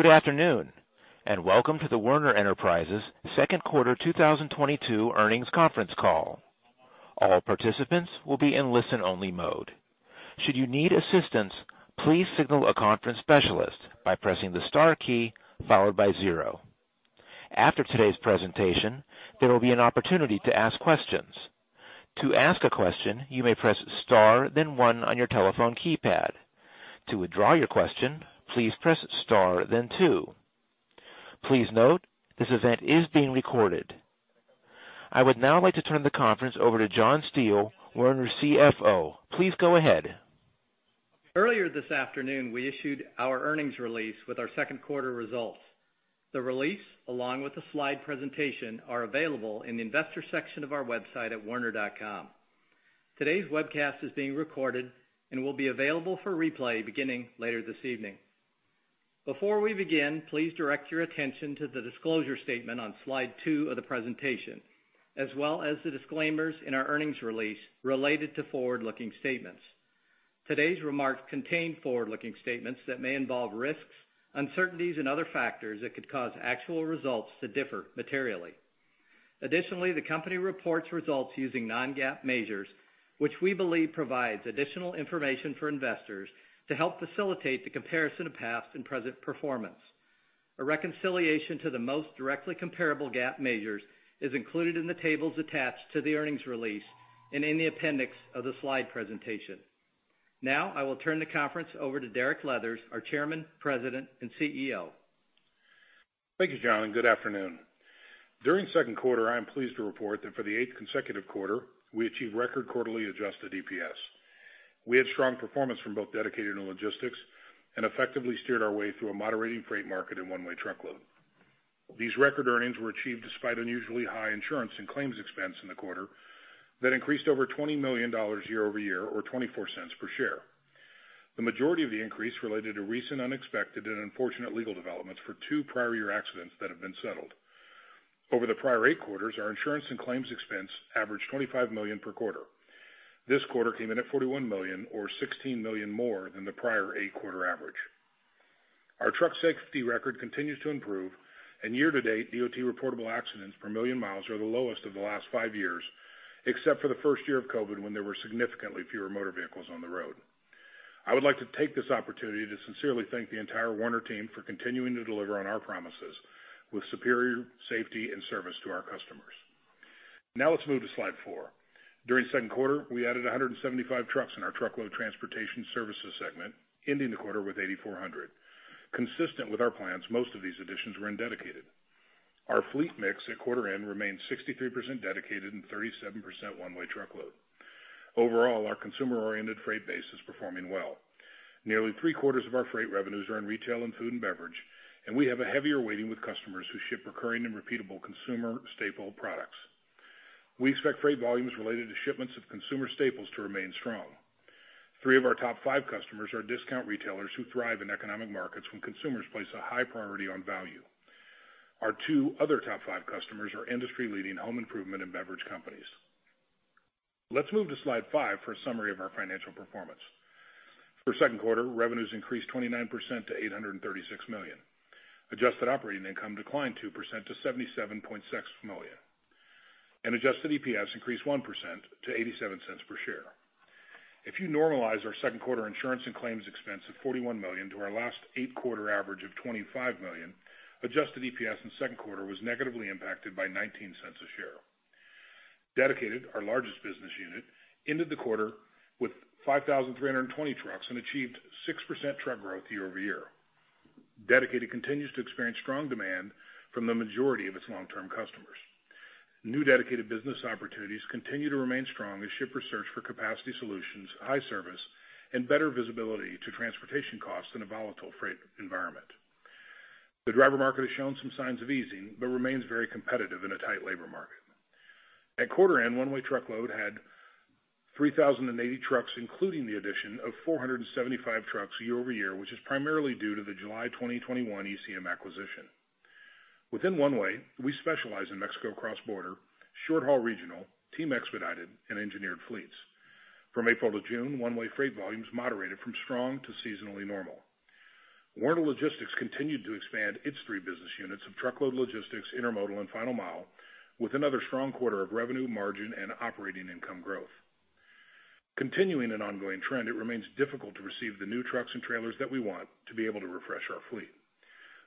Good afternoon, and welcome to the Werner Enterprises second quarter 2022 earnings conference call. All participants will be in listen-only mode. Should you need assistance, please signal a conference specialist by pressing the star key followed by zero. After today's presentation, there will be an opportunity to ask questions. To ask a question, you may press star then one on your telephone keypad. To withdraw your question, please press star then two. Please note, this event is being recorded. I would now like to turn the conference over to John Steele, Werner CFO. Please go ahead. Earlier this afternoon, we issued our earnings release with our second quarter results. The release, along with the slide presentation, are available in the investor section of our website at werner.com. Today's webcast is being recorded and will be available for replay beginning later this evening. Before we begin, please direct your attention to the disclosure statement on slide two of the presentation, as well as the disclaimers in our earnings release related to forward-looking statements. Today's remarks contain forward-looking statements that may involve risks, uncertainties, and other factors that could cause actual results to differ materially. Additionally, the company reports results using non-GAAP measures, which we believe provides additional information for investors to help facilitate the comparison of past and present performance. A reconciliation to the most directly comparable GAAP measures is included in the tables attached to the earnings release and in the appendix of the slide presentation. Now, I will turn the conference over to Derek Leathers, our Chairman, President, and CEO. Thank you, John, and good afternoon. During second quarter, I am pleased to report that for the eighth consecutive quarter, we achieved record quarterly adjusted EPS. We had strong performance from both Dedicated and Logistics and effectively steered our way through a moderating freight market in One-Way Truckload. These record earnings were achieved despite unusually high insurance and claims expense in the quarter that increased over $20 million year-over-year or $0.24 per share. The majority of the increase related to recent, unexpected, and unfortunate legal developments for two prior year accidents that have been settled. Over the prior eight quarters, our insurance and claims expense averaged $25 million per quarter. This quarter came in at $41 million or $16 million more than the prior eight-quarter average. Our truck safety record continues to improve, and year-to-date, DOT reportable accidents per million miles are the lowest of the last five years, except for the first year of COVID when there were significantly fewer motor vehicles on the road. I would like to take this opportunity to sincerely thank the entire Werner team for continuing to deliver on our promises with superior safety and service to our customers. Now let's move to slide four. During second quarter, we added 175 trucks in our Truckload Transportation Services segment, ending the quarter with 8,400. Consistent with our plans, most of these additions were in Dedicated. Our fleet mix at quarter-end remained 63% Dedicated and 37% One-Way Truckload. Overall, our consumer-oriented freight base is performing well. Nearly three quarters of our freight revenues are in retail and food and beverage, and we have a heavier weighting with customers who ship recurring and repeatable consumer staple products. We expect freight volumes related to shipments of consumer staples to remain strong. Three of our top five customers are discount retailers who thrive in economic markets when consumers place a high priority on value. Our two other top five customers are industry-leading home improvement and beverage companies. Let's move to slide five for a summary of our financial performance. For second quarter, revenues increased 29% to $836 million. Adjusted operating income declined 2% to $77.6 million. Adjusted EPS increased 1% to $0.87 per share. If you normalize our second quarter insurance and claims expense of $41 million to our last eight-quarter average of $25 million, adjusted EPS in second quarter was negatively impacted by $0.19 a share. Dedicated, our largest business unit, ended the quarter with 5,320 trucks and achieved 6% truck growth year-over-year. Dedicated continues to experience strong demand from the majority of its long-term customers. New Dedicated business opportunities continue to remain strong as shippers search for capacity solutions, high service, and better visibility to transportation costs in a volatile freight environment. The driver market has shown some signs of easing, but remains very competitive in a tight labor market. At quarter-end, One-Way Truckload had 3,080 trucks, including the addition of 475 trucks year-over-year, which is primarily due to the July 2021 ECM acquisition. Within One-Way, we specialize in Mexico cross-border, short-haul regional, team expedited, and engineered fleets. From April to June, One-Way freight volumes moderated from strong to seasonally normal. Werner Logistics continued to expand its three business units of Truckload Logistics, Intermodal, and Final Mile with another strong quarter of revenue, margin, and operating income growth. Continuing an ongoing trend, it remains difficult to receive the new trucks and trailers that we want to be able to refresh our fleet.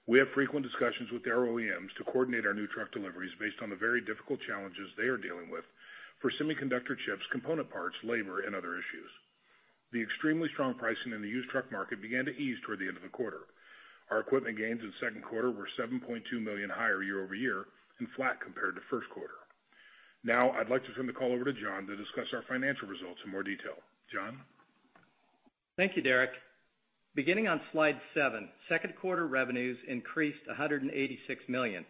We have frequent discussions with our OEMs to coordinate our new truck deliveries based on the very difficult challenges they are dealing with for semiconductor chips, component parts, labor, and other issues. The extremely strong pricing in the used truck market began to ease toward the end of the quarter. Our equipment gains in second quarter were $7.2 million higher year-over-year and flat compared to first quarter. Now I'd like to turn the call over to John to discuss our financial results in more detail. John? Thank you, Derek. Beginning on slide seven, second quarter revenues increased $186 million.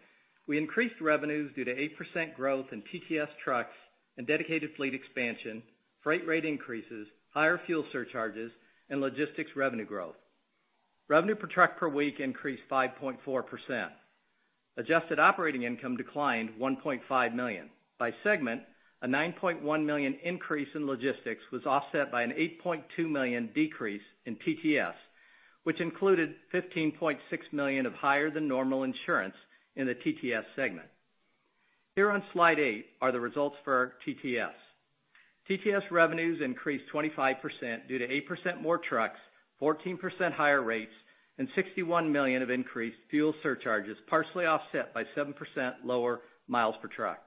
We increased revenues due to 8% growth in TTS trucks and Dedicated fleet expansion, freight rate increases, higher fuel surcharges, and logistics revenue growth. Revenue per truck per week increased 5.4%. Adjusted operating income declined $1.5 million. By segment, a $9.1 million increase in logistics was offset by an $8.2 million decrease in TTS, which included $15.6 million of higher than normal insurance in the TTS segment. Here on slide eight are the results for TTS. TTS revenues increased 25% due to 8% more trucks, 14% higher rates, and $61 million of increased fuel surcharges, partially offset by 7% lower miles per truck.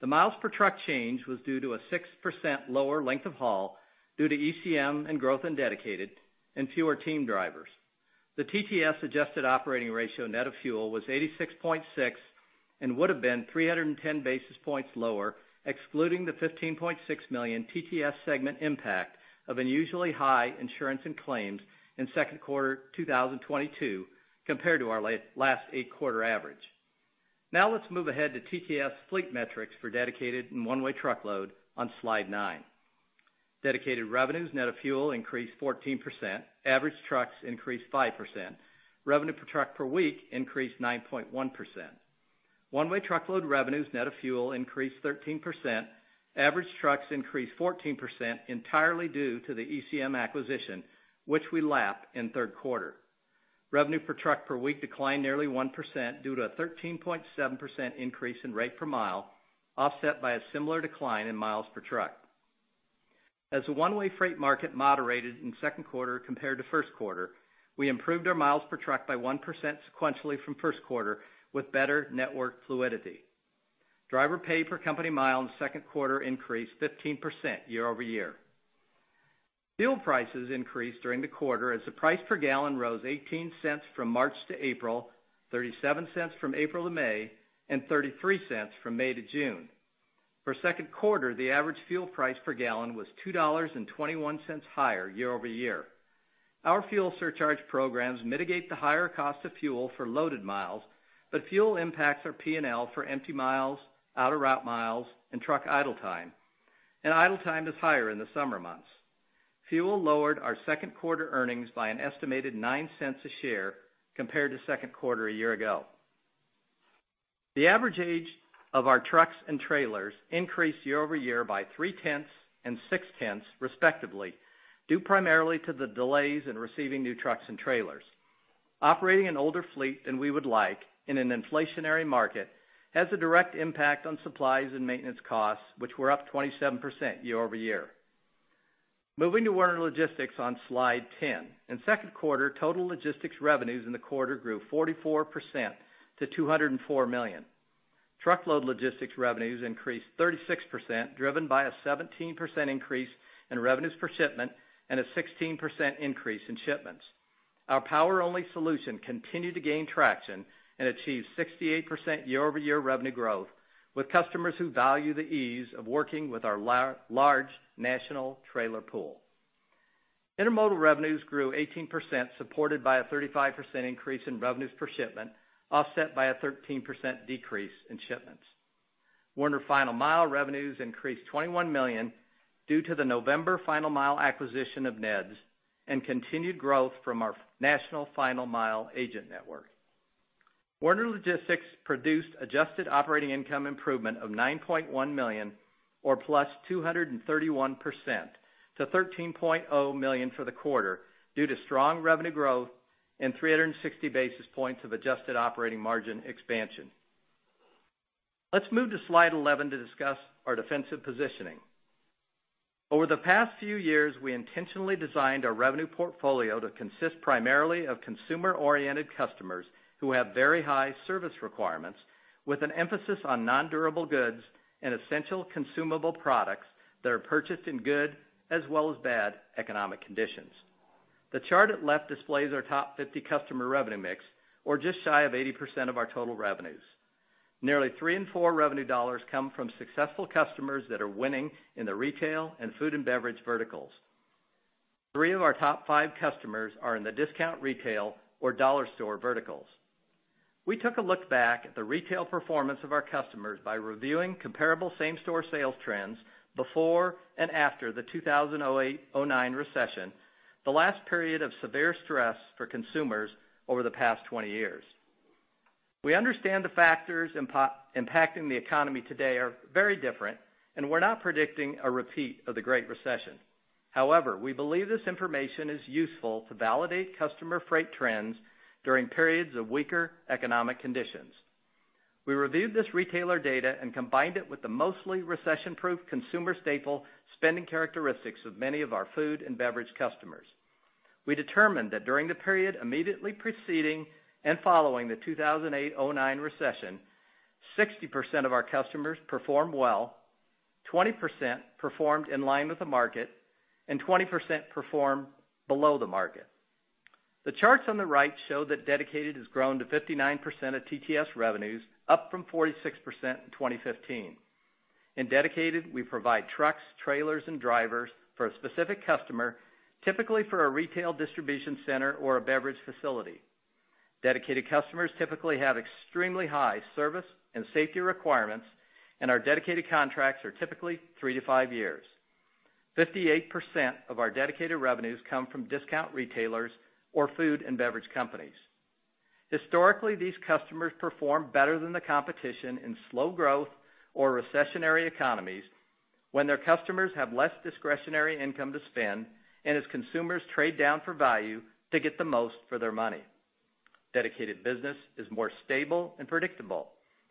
The miles per truck change was due to a 6% lower length of haul due to ECM and growth in Dedicated and fewer team drivers. The TTS adjusted operating ratio net of fuel was 86.6, and would have been 310 basis points lower, excluding the $15.6 million TTS segment impact of unusually high insurance and claims in second quarter 2022 compared to our last eight-quarter average. Now let's move ahead to TTS fleet metrics for Dedicated and One-Way Truckload on slide nine. Dedicated revenues net of fuel increased 14%. Average trucks increased 5%. Revenue per truck per week increased 9.1%. One-way truckload revenues net of fuel increased 13%. Average trucks increased 14% entirely due to the ECM acquisition, which we lapped in third quarter. Revenue per truck per week declined nearly 1% due to a 13.7% increase in rate per mile, offset by a similar decline in miles per truck. As the One-Way freight market moderated in second quarter compared to first quarter, we improved our miles per truck by 1% sequentially from first quarter with better network fluidity. Driver pay per company mile in the second quarter increased 15% year-over-year. Fuel prices increased during the quarter as the price per gallon rose $0.18 from March to April, $0.37 from April to May, and $0.33 from May to June. For second quarter, the average fuel price per gallon was $2.21 higher year-over-year. Our fuel surcharge programs mitigate the higher cost of fuel for loaded miles, but fuel impacts our P&L for empty miles, out-of-route miles, and truck idle time. Idle time is higher in the summer months. Fuel lowered our second quarter earnings by an estimated $0.09 a share compared to second quarter a year ago. The average age of our trucks and trailers increased year-over-year by 0.3 and 0.6 respectively, due primarily to the delays in receiving new trucks and trailers. Operating an older fleet than we would like in an inflationary market has a direct impact on supplies and maintenance costs, which were up 27% year-over-year. Moving to Werner Logistics on slide 10. In second quarter, total logistics revenues in the quarter grew 44% to $204 million. Truckload logistics revenues increased 36%, driven by a 17% increase in revenues per shipment and a 16% increase in shipments. Our power-only solution continued to gain traction and achieved 68% year-over-year revenue growth with customers who value the ease of working with our large national trailer pool. Intermodal revenues grew 18%, supported by a 35% increase in revenues per shipment, offset by a 13% decrease in shipments. Werner Final Mile revenues increased $21 million due to the November final mile acquisition of NEHDS and continued growth from our national final mile agent network. Werner Logistics produced adjusted operating income improvement of $9.1 million or +231% to $13.0 million for the quarter due to strong revenue growth and 360 basis points of adjusted operating margin expansion. Let's move to slide 11 to discuss our defensive positioning. Over the past few years, we intentionally designed our revenue portfolio to consist primarily of consumer-oriented customers who have very high service requirements with an emphasis on non-durable goods and essential consumable products that are purchased in good as well as bad economic conditions. The chart at left displays our top 50 customer revenue mix, or just shy of 80% of our total revenues. Nearly three in four revenue dollars come from successful customers that are winning in the retail and food and beverage verticals. Three of our top five customers are in the discount retail or dollar store verticals. We took a look back at the retail performance of our customers by reviewing comparable same-store sales trends before and after the 2008-09 Great Recession, the last period of severe stress for consumers over the past 20 years. We understand the factors impacting the economy today are very different, and we're not predicting a repeat of the Great Recession. However, we believe this information is useful to validate customer freight trends during periods of weaker economic conditions. We reviewed this retailer data and combined it with the mostly recession-proof consumer staple spending characteristics of many of our food and beverage customers. We determined that during the period immediately preceding and following the 2008-09 Great Recession, 60% of our customers performed well, 20% performed in line with the market, and 20% performed below the market. The charts on the right show that Dedicated has grown to 59% of TTS revenues, up from 46% in 2015. In Dedicated, we provide trucks, trailers, and drivers for a specific customer, typically for a retail distribution center or a beverage facility. Dedicated customers typically have extremely high service and safety requirements, and our Dedicated contracts are typically three to five years. 58% of our Dedicated revenues come from discount retailers or food and beverage companies. Historically, these customers perform better than the competition in slow growth or recessionary economies when their customers have less discretionary income to spend and as consumers trade down for value to get the most for their money. Dedicated business is more stable and predictable.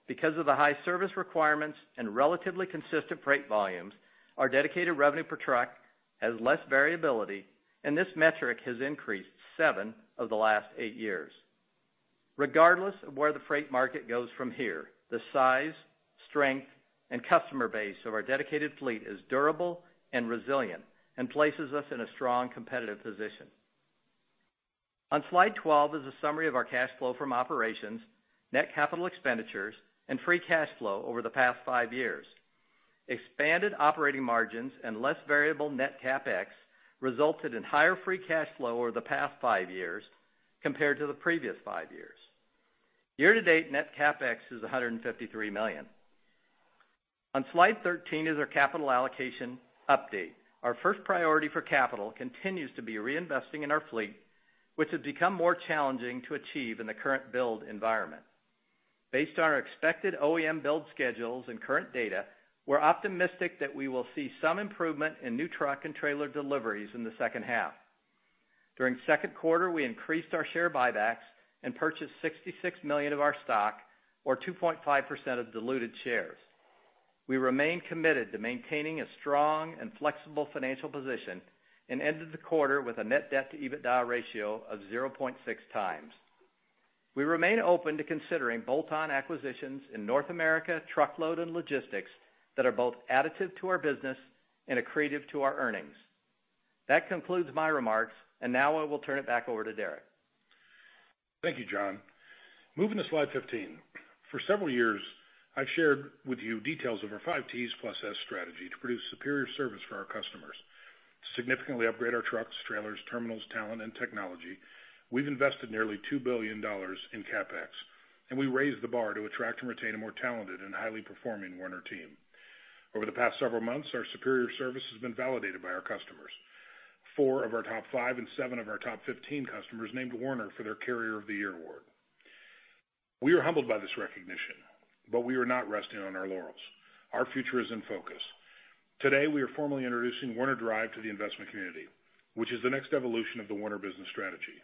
Because of the high service requirements and relatively consistent freight volumes, our Dedicated revenue per truck has less variability, and this metric has increased seven of the last eight years. Regardless of where the freight market goes from here, the size, strength, and customer base of our Dedicated fleet is durable and resilient and places us in a strong competitive position. On slide 12 is a summary of our cash flow from operations, net capital expenditures, and free cash flow over the past five years. Expanded operating margins and less variable net CapEx resulted in higher free cash flow over the past five years compared to the previous five years. Year-to-date, net CapEx is $153 million. On slide 13 is our capital allocation update. Our first priority for capital continues to be reinvesting in our fleet, which has become more challenging to achieve in the current build environment. Based on our expected OEM build schedules and current data, we're optimistic that we will see some improvement in new truck and trailer deliveries in the second half. During second quarter, we increased our share buybacks and purchased $66 million of our stock, or 2.5% of diluted shares. We remain committed to maintaining a strong and flexible financial position and ended the quarter with a net debt to EBITDA ratio of 0.6 times. We remain open to considering bolt-on acquisitions in North America truckload and logistics that are both additive to our business and accretive to our earnings. That concludes my remarks, and now I will turn it back over to Derek. Thank you, John. Moving to slide 15. For several years, I've shared with you details of our 5T's plus S strategy to produce superior service for our customers. To significantly upgrade our trucks, trailers, terminals, talent, and technology, we've invested nearly $2 billion in CapEx, and we raised the bar to attract and retain a more talented and highly performing Werner team. Over the past several months, our superior service has been validated by our customers. Four of our top five and seven of our top 15 customers named Werner for their Carrier of the Year award. We are humbled by this recognition, but we are not resting on our laurels. Our future is in focus. Today, we are formally introducing Werner DRIVE to the investment community, which is the next evolution of the Werner Business Strategy.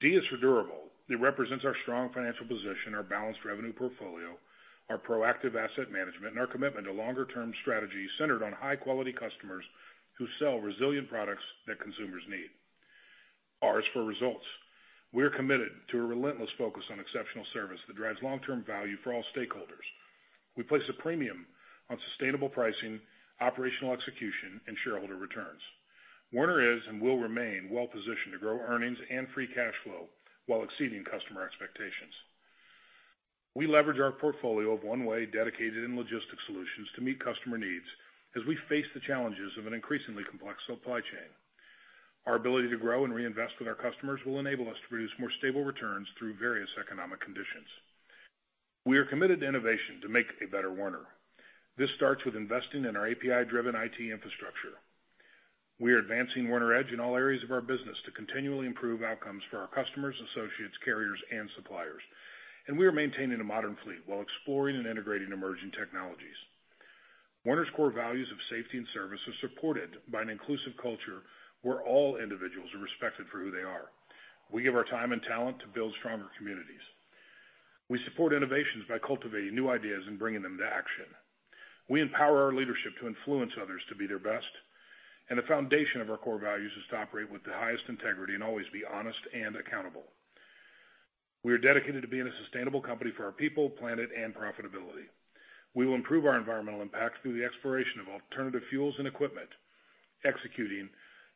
D is for durable. It represents our strong financial position, our balanced revenue portfolio, our proactive asset management, and our commitment to longer-term strategies centered on high-quality customers who sell resilient products that consumers need. R is for results. We are committed to a relentless focus on exceptional service that drives long-term value for all stakeholders. We place a premium on sustainable pricing, operational execution, and shareholder returns. Werner is and will remain well-positioned to grow earnings and free cash flow while exceeding customer expectations. We leverage our portfolio of one-way dedicated and logistics solutions to meet customer needs as we face the challenges of an increasingly complex supply chain. Our ability to grow and reinvest with our customers will enable us to produce more stable returns through various economic conditions. We are committed to innovation to make a better Werner. This starts with investing in our API-driven IT infrastructure. We are advancing Werner EDGE in all areas of our business to continually improve outcomes for our customers, associates, carriers, and suppliers, and we are maintaining a modern fleet while exploring and integrating emerging technologies. Werner's core values of safety and service are supported by an inclusive culture where all individuals are respected for who they are. We give our time and talent to build stronger communities. We support innovations by cultivating new ideas and bringing them to action. We empower our leadership to influence others to be their best, and the foundation of our core values is to operate with the highest integrity and always be honest and accountable. We are dedicated to being a sustainable company for our people, planet, and profitability. We will improve our environmental impact through the exploration of alternative fuels and equipment, executing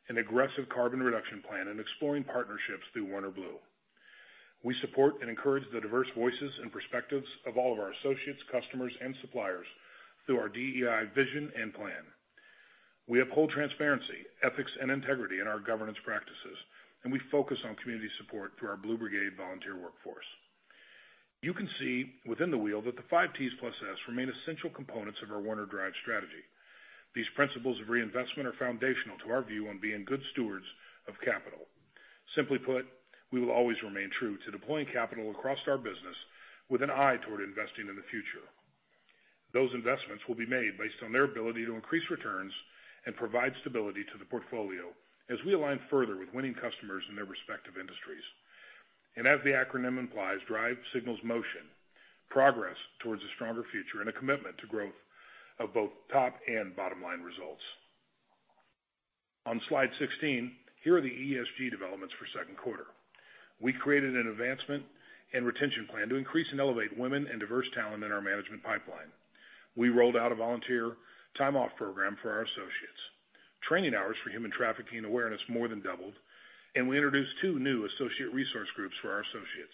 an aggressive carbon reduction plan, and exploring partnerships through WernerBlue. We support and encourage the diverse voices and perspectives of all of our associates, customers, and suppliers through our DEI vision and plan. We uphold transparency, ethics, and integrity in our governance practices, and we focus on community support through our Blue Brigade volunteer workforce. You can see within the wheel that the 5T's plus S remain essential components of our Werner DRIVE strategy. These principles of reinvestment are foundational to our view on being good stewards of capital. Simply put, we will always remain true to deploying capital across our business with an eye toward investing in the future. Those investments will be made based on their ability to increase returns and provide stability to the portfolio as we align further with winning customers in their respective industries. As the acronym implies, Drive signals motion, progress towards a stronger future, and a commitment to growth of both top and bottom-line results. On slide 16, here are the ESG developments for second quarter. We created an advancement and retention plan to increase and elevate women and diverse talent in our management pipeline. We rolled out a volunteer time off program for our associates. Training hours for human trafficking awareness more than doubled, and we introduced two new associate resource groups for our associates.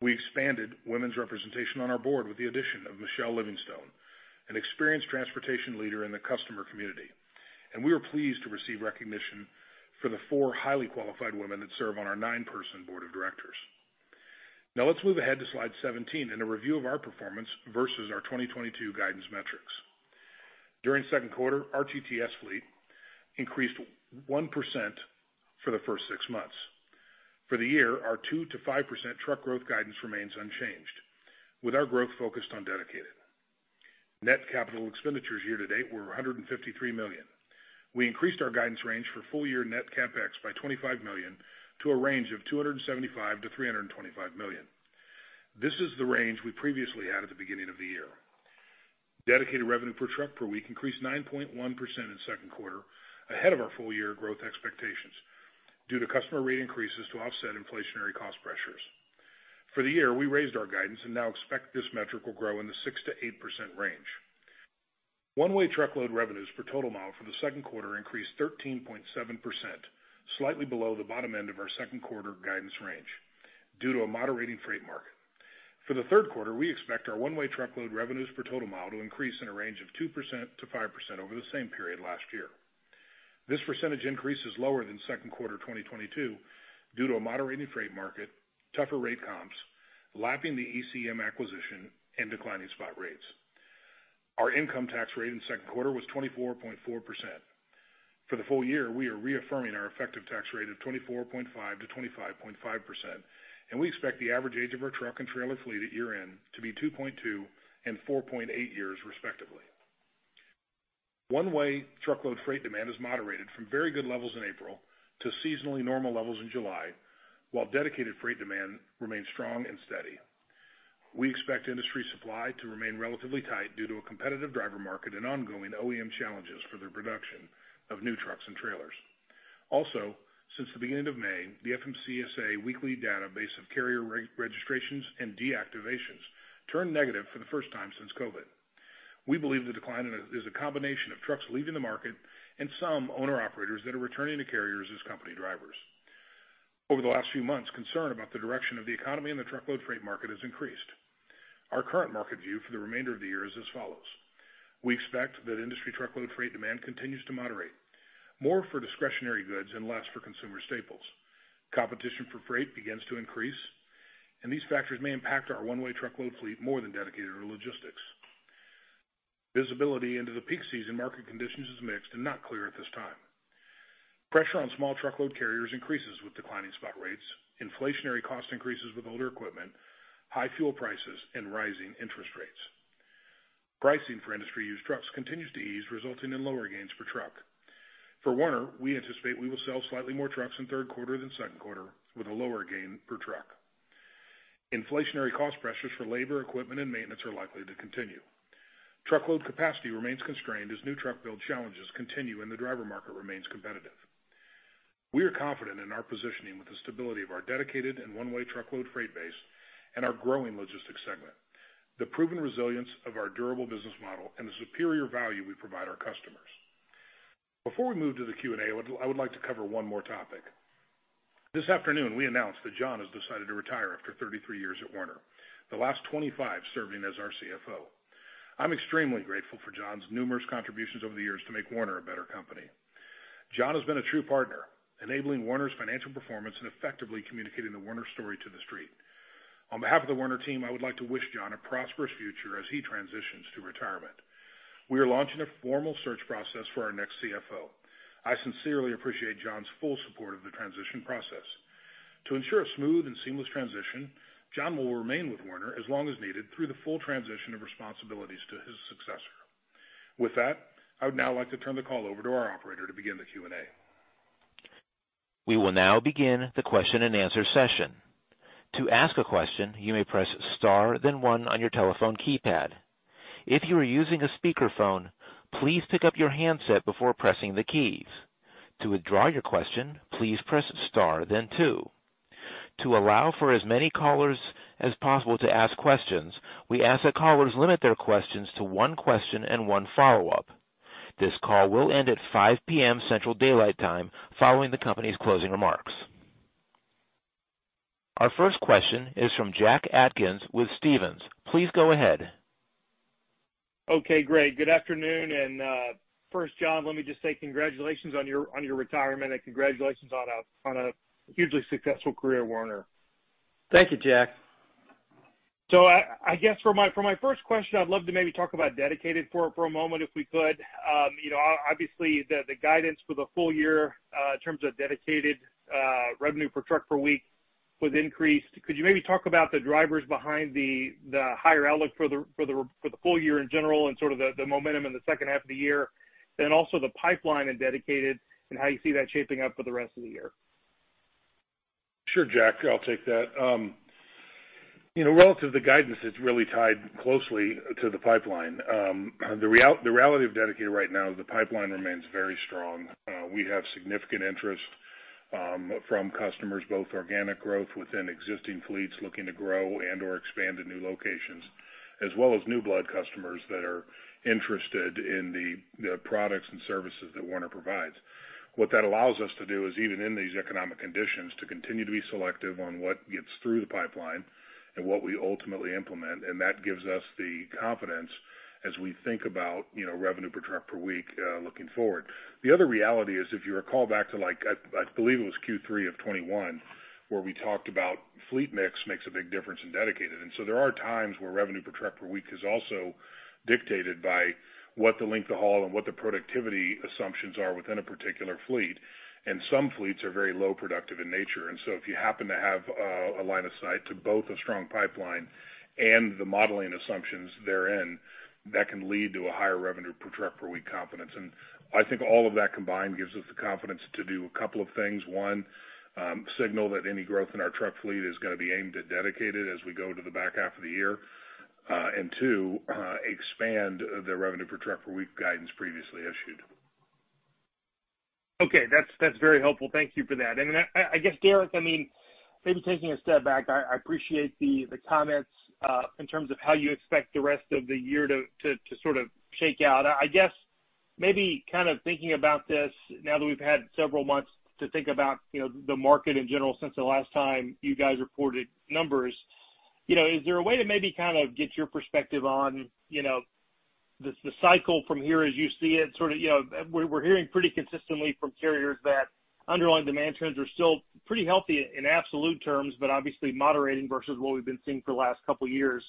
We expanded women's representation on our board with the addition of Michelle Livingstone, an experienced transportation leader in the customer community. We are pleased to receive recognition for the four highly qualified women that serve on our nine-person Board of Directors. Now let's move ahead to slide 17 and a review of our performance versus our 2022 guidance metrics. During second quarter, our TTS fleet increased 1% for the first six months. For the year, our 2%-5% truck growth guidance remains unchanged, with our growth focused on Dedicated. Net capital expenditures year-to-date were $153 million. We increased our guidance range for full-year net CapEx by $25 million to a range of $275 million-$325 million. This is the range we previously had at the beginning of the year. Dedicated revenue per truck per week increased 9.1% in second quarter, ahead of our full-year growth expectations due to customer rate increases to offset inflationary cost pressures. For the year, we raised our guidance and now expect this metric will grow in the 6%-8% range. One-Way Truckload revenues per total mile for the second quarter increased 13.7%, slightly below the bottom end of our second quarter guidance range due to a moderating freight market. For the third quarter, we expect our One-Way Truckload revenues per total mile to increase in a range of 2%-5% over the same period last year. This percentage increase is lower than second quarter 2022 due to a moderating freight market, tougher rate comps, lapping the ECM acquisition and declining spot rates. Our income tax rate in second quarter was 24.4%. For the full-year, we are reaffirming our effective tax rate of 24.5%-25.5%, and we expect the average age of our truck and trailer fleet at year-end to be 2.2 and 4.8 years, respectively. One-Way Truckload freight demand has moderated from very good levels in April to seasonally normal levels in July. While Dedicated freight demand remains strong and steady. We expect industry supply to remain relatively tight due to a competitive driver market and ongoing OEM challenges for their production of new trucks and trailers. Also, since the beginning of May, the FMCSA weekly database of carrier re-registrations and deactivations turned negative for the first time since COVID. We believe the decline in it is a combination of trucks leaving the market and some owner-operators that are returning to carriers as company drivers. Over the last few months, concern about the direction of the economy and the truckload freight market has increased. Our current market view for the remainder of the year is as follows. We expect that industry truckload freight demand continues to moderate, more for discretionary goods and less for consumer staples. Competition for freight begins to increase, and these factors may impact our One-Way Truckload fleet more than Dedicated or Logistics. Visibility into the peak season market conditions is mixed and not clear at this time. Pressure on small truckload carriers increases with declining spot rates, inflationary cost increases with older equipment, high fuel prices and rising interest rates. Pricing for industry-used trucks continues to ease, resulting in lower gains per truck. For Werner, we anticipate we will sell slightly more trucks in third quarter than second quarter with a lower gain per truck. Inflationary cost pressures for labor, equipment and maintenance are likely to continue. Truckload capacity remains constrained as new truck build challenges continue and the driver market remains competitive. We are confident in our positioning with the stability of our Dedicated and One-Way Truckload freight base and our growing logistics segment, the proven resilience of our durable business model and the superior value we provide our customers. Before we move to the Q&A, I would like to cover one more topic. This afternoon we announced that John has decided to retire after 33 years at Werner, the last 25 serving as our CFO. I'm extremely grateful for John's numerous contributions over the years to make Werner a better company. John has been a true partner, enabling Werner's financial performance and effectively communicating the Werner story to The Street. On behalf of the Werner team, I would like to wish John a prosperous future as he transitions to retirement. We are launching a formal search process for our next CFO. I sincerely appreciate John's full support of the transition process. To ensure a smooth and seamless transition, John will remain with Werner as long as needed through the full transition of responsibilities to his successor. With that, I would now like to turn the call over to our operator to begin the Q&A. We will now begin the question-and-answer session. To ask a question, you may press star, then one on your telephone keypad. If you are using a speakerphone, please pick up your handset before pressing the keys. To withdraw your question, please press star then two. To allow for as many callers as possible to ask questions, we ask that callers limit their questions to one question and one follow-up. This call will end at 5:00 P.M. Central Daylight Time following the company's closing remarks. Our first question is from Jack Atkins with Stephens. Please go ahead. Okay, great. Good afternoon. First, John, let me just say congratulations on your retirement and congratulations on a hugely successful career at Werner. Thank you, Jack. I guess for my first question, I'd love to maybe talk about Dedicated for a moment if we could. You know, obviously the guidance for the full-year in terms of Dedicated revenue per truck per week was increased. Could you maybe talk about the drivers behind the higher outlook for the full-year in general and sort of the momentum in the second half of the year, then also the pipeline in Dedicated and how you see that shaping up for the rest of the year? Sure, Jack, I'll take that. You know, relative to the guidance, it's really tied closely to the pipeline. The reality of Dedicated right now is the pipeline remains very strong. We have significant interest from customers, both organic growth within existing fleets looking to grow and/or expand to new locations, as well as new blood customers that are interested in the products and services that Werner provides. What that allows us to do is even in these economic conditions, to continue to be selective on what gets through the pipeline and what we ultimately implement, and that gives us the confidence as we think about, you know, revenue per truck per week looking forward. The other reality is if you recall back to like, I believe it was Q3 of 2021, where we talked about fleet mix makes a big difference in Dedicated. There are times where revenue per truck per week is also dictated by what the length of haul and what the productivity assumptions are within a particular fleet. Some fleets are very low productive in nature. If you happen to have a line of sight to both a strong pipeline and the modeling assumptions therein, that can lead to a higher revenue per truck per week confidence. I think all of that combined gives us the confidence to do a couple of things. One, signal that any growth in our truck fleet is gonna be aimed at Dedicated as we go to the back half of the year. Two, expand the revenue per truck per week guidance previously issued. Okay. That's very helpful. Thank you for that. I guess, Derek, I mean, maybe taking a step back, I appreciate the comments in terms of how you expect the rest of the year to sort of shake out. I guess maybe kind of thinking about this now that we've had several months to think about, you know, the market in general since the last time you guys reported numbers, you know, is there a way to maybe kind of get your perspective on, you know, the cycle from here as you see it? Sort of, you know, we're hearing pretty consistently from carriers that underlying demand trends are still pretty healthy in absolute terms, but obviously moderating versus what we've been seeing for the last couple years.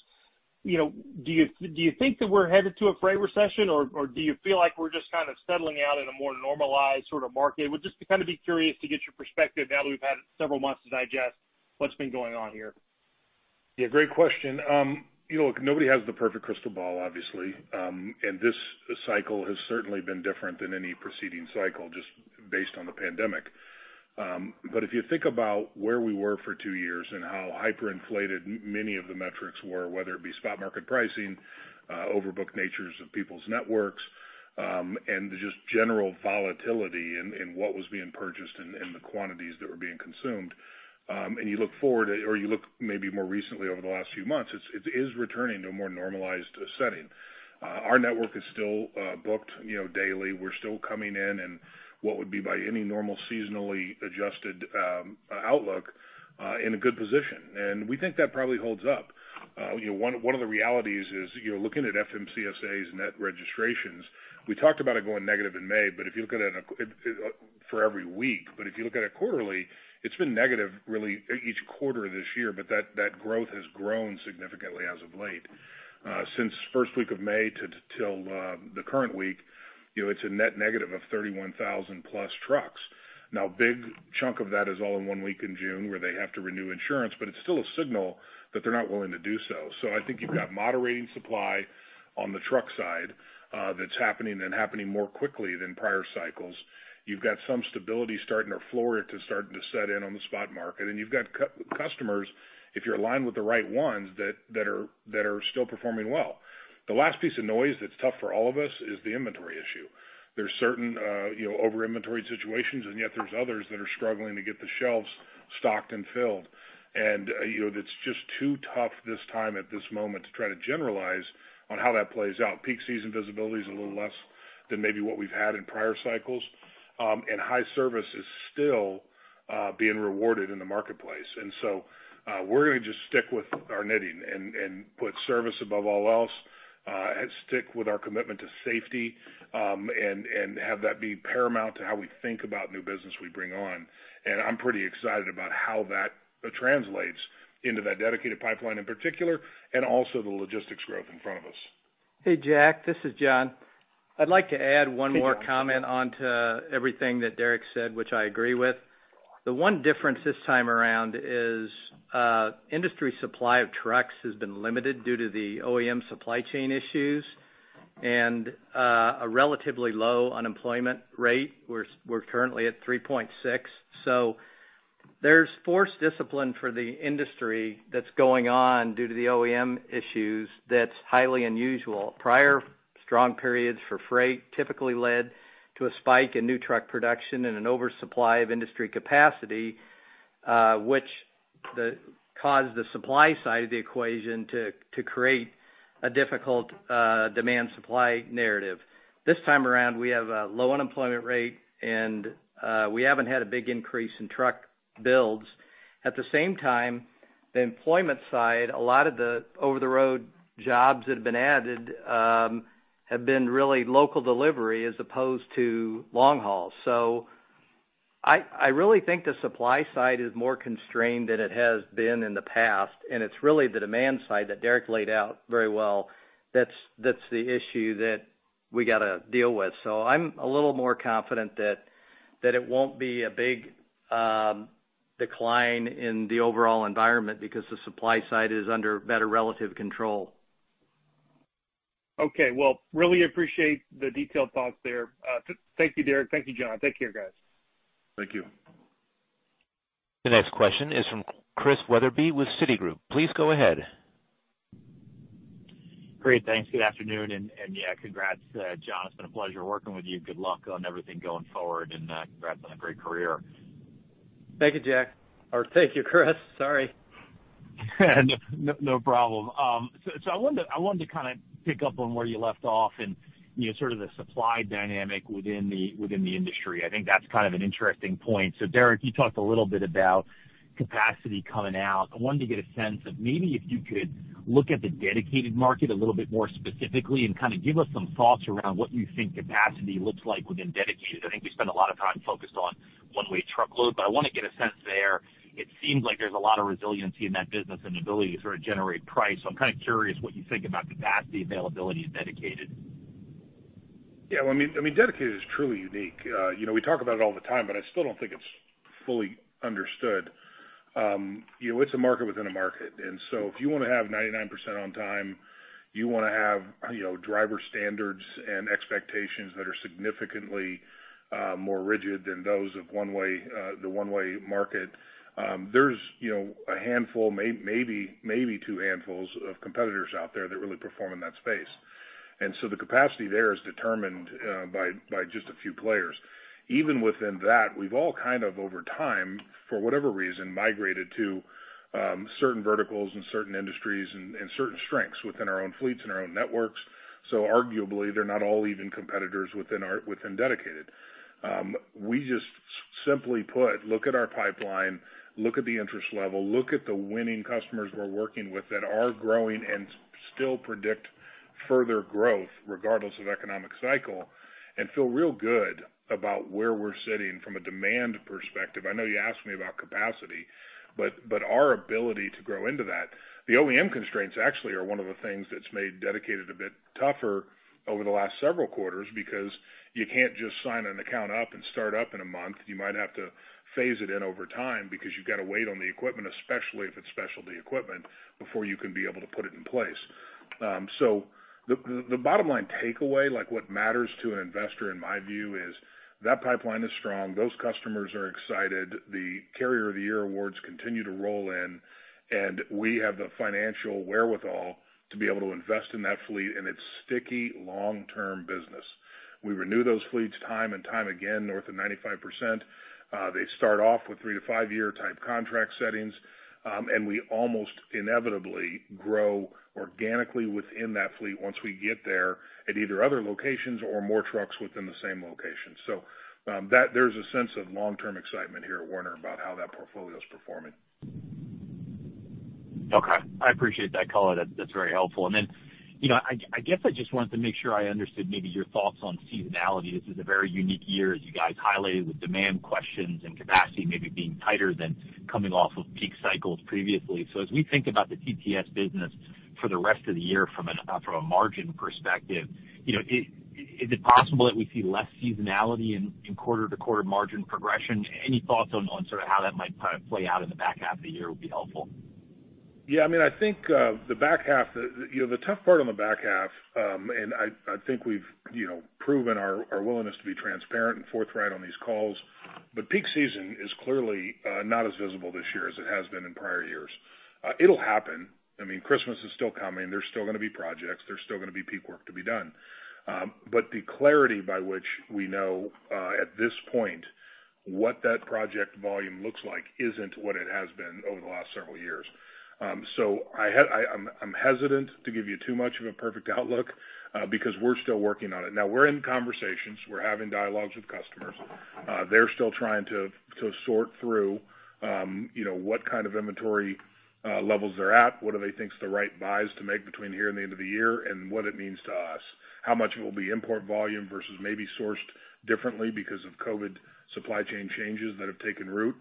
You know, do you think that we're headed to a freight recession, or do you feel like we're just kind of settling out in a more normalized sort of market? Would just be kind of curious to get your perspective now that we've had several months to digest what's been going on here. Yeah, great question. You know, look, nobody has the perfect crystal ball, obviously. This cycle has certainly been different than any preceding cycle just based on the pandemic. If you think about where we were for two years and how hyperinflated many of the metrics were, whether it be spot market pricing, overbooked natures of people's networks, and just general volatility in what was being purchased and the quantities that were being consumed. You look forward or you look maybe more recently over the last few months, it is returning to a more normalized setting. Our network is still booked, you know, daily. We're still coming in and what would be by any normal seasonally adjusted outlook in a good position. We think that probably holds up. You know, one of the realities is you're looking at FMCSA's net registrations. We talked about it going negative in May, but if you look at it quarterly, it's been negative really each quarter this year, but that growth has grown significantly as of late. Since first week of May till the current week, you know, it's a net negative of 31,000+ trucks. Now big chunk of that is all in one week in June where they have to renew insurance, but it's still a signal that they're not willing to do so. I think you've got moderating supply on the truck side, that's happening and happening more quickly than prior cycles. You've got some stability starting to set in on the spot market. You've got customers, if you're aligned with the right ones, that are still performing well. The last piece of noise that's tough for all of us is the inventory issue. There's certain, you know, over inventoried situations, and yet there's others that are struggling to get the shelves stocked and filled. You know, that's just too tough this time at this moment to try to generalize on how that plays out. Peak season visibility is a little less than maybe what we've had in prior cycles. High service is still being rewarded in the marketplace. We're gonna just stick with our knitting and put service above all else, and stick with our commitment to safety, and have that be paramount to how we think about new business we bring on. I'm pretty excited about how that translates into that dedicated pipeline in particular, and also the logistics growth in front of us. Hey, Jack, this is John. I'd like to add one more comment onto everything that Derek said, which I agree with. The one difference this time around is, industry supply of trucks has been limited due to the OEM supply chain issues and a relatively low unemployment rate. We're currently at 3.6%. So there's forced discipline for the industry that's going on due to the OEM issues that's highly unusual. Prior strong periods for freight typically led to a spike in new truck production and an oversupply of industry capacity, which caused the supply side of the equation to create a difficult demand supply narrative. This time around, we have a low unemployment rate and we haven't had a big increase in truck builds. At the same time, the employment side, a lot of the over-the-road jobs that have been added have been really local delivery as opposed to long haul. I really think the supply side is more constrained than it has been in the past, and it's really the demand side that Derek laid out very well that's the issue that we gotta deal with. I'm a little more confident that it won't be a big decline in the overall environment because the supply side is under better relative control. Okay. Well, really appreciate the detailed thoughts there. Thank you, Derek. Thank you, John. Take care, guys. Thank you. The next question is from Chris Wetherbee with Citigroup. Please go ahead. Great. Thanks. Good afternoon. Yeah, congrats, John. It's been a pleasure working with you. Good luck on everything going forward, and congrats on a great career. Thank you, Jack. Thank you, Chris. Sorry. No, no problem. I wanted to kinda pick up on where you left off and, you know, sort of the supply dynamic within the industry. I think that's kind of an interesting point. Derek, you talked a little bit about capacity coming out. I wanted to get a sense of maybe if you could look at the Dedicated market a little bit more specifically and kinda give us some thoughts around what you think capacity looks like within Dedicated. I think we spend a lot of time focused on One-Way Truckload, but I wanna get a sense there. It seems like there's a lot of resiliency in that business and ability to sort of generate price, so I'm kinda curious what you think about capacity availability in Dedicated. Yeah. Well, I mean, Dedicated is truly unique. You know, we talk about it all the time, but I still don't think it's fully understood. It's a market within a market. If you wanna have 99% on time, you wanna have driver standards and expectations that are significantly more rigid than those of One-Way, the One-Way market. There's a handful, maybe two handfuls of competitors out there that really perform in that space. The capacity there is determined by just a few players. Even within that, we've all kind of over time, for whatever reason, migrated to certain verticals and certain industries and certain strengths within our own fleets and our own networks. Arguably, they're not all even competitors within Dedicated. We just simply put, look at our pipeline, look at the interest level, look at the winning customers we're working with that are growing and still predict further growth regardless of economic cycle, and feel real good about where we're sitting from a demand perspective. I know you asked me about capacity, but our ability to grow into that. The OEM constraints actually are one of the things that's made Dedicated a bit tougher over the last several quarters because you can't just sign an account up and start up in a month. You might have to phase it in over time because you've gotta wait on the equipment, especially if it's specialty equipment, before you can be able to put it in place. The bottom line takeaway, like what matters to an investor in my view, is that pipeline is strong, those customers are excited, the Carrier of the Year Awards continue to roll in, and we have the financial wherewithal to be able to invest in that fleet in its sticky long-term business. We renew those fleets time and time again, north of 95%. They start off with three to five-year type contract settings, and we almost inevitably grow organically within that fleet once we get there at either other locations or more trucks within the same location. There's a sense of long-term excitement here at Werner about how that portfolio is performing. Okay. I appreciate that color. That's very helpful. You know, I guess I just wanted to make sure I understood your thoughts on seasonality. This is a very unique year, as you guys highlighted, with demand questions and capacity maybe being tighter than coming off of peak cycles previously. As we think about the TTS business for the rest of the year from a margin perspective, you know, is it possible that we see less seasonality in quarter-to-quarter margin progression? Any thoughts on how that might kind of play out in the back half of the year would be helpful. Yeah. I mean, I think the back half, you know, the tough part on the back half, and I think we've you know proven our willingness to be transparent and forthright on these calls, but peak season is clearly not as visible this year as it has been in prior years. It'll happen. I mean, Christmas is still coming. There's still gonna be projects. There's still gonna be peak work to be done. The clarity by which we know at this point what that project volume looks like isn't what it has been over the last several years. I'm hesitant to give you too much of a perfect outlook because we're still working on it. Now, we're in conversations. We're having dialogues with customers. They're still trying to sort through, to you know what kind of inventory levels they're at, what do they think is the right buys to make between here and the end of the year, and what it means to us. How much will be import volume versus maybe sourced differently because of COVID supply chain changes that have taken root.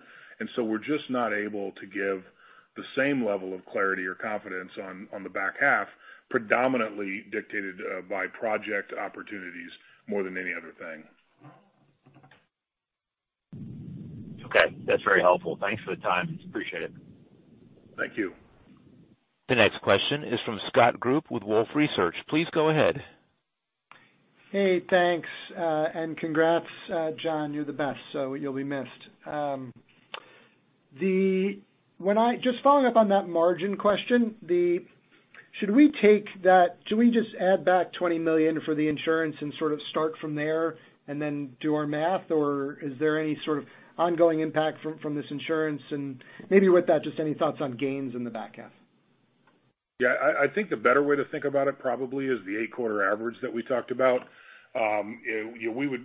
We're just not able to give the same level of clarity or confidence on the back half, predominantly dictated by project opportunities more than any other thing. Okay. That's very helpful. Thanks for the time. Appreciate it. Thank you. The next question is from Scott Group with Wolfe Research. Please go ahead. Hey, thanks. Congrats, John. You're the best, so you'll be missed. Just following up on that margin question. Should we just add back $20 million for the insurance and sort of start from there and then do our math, or is there any sort of ongoing impact from this insurance? Maybe with that, just any thoughts on gains in the back half. Yeah. I think the better way to think about it probably is the eight-quarter average that we talked about. You know,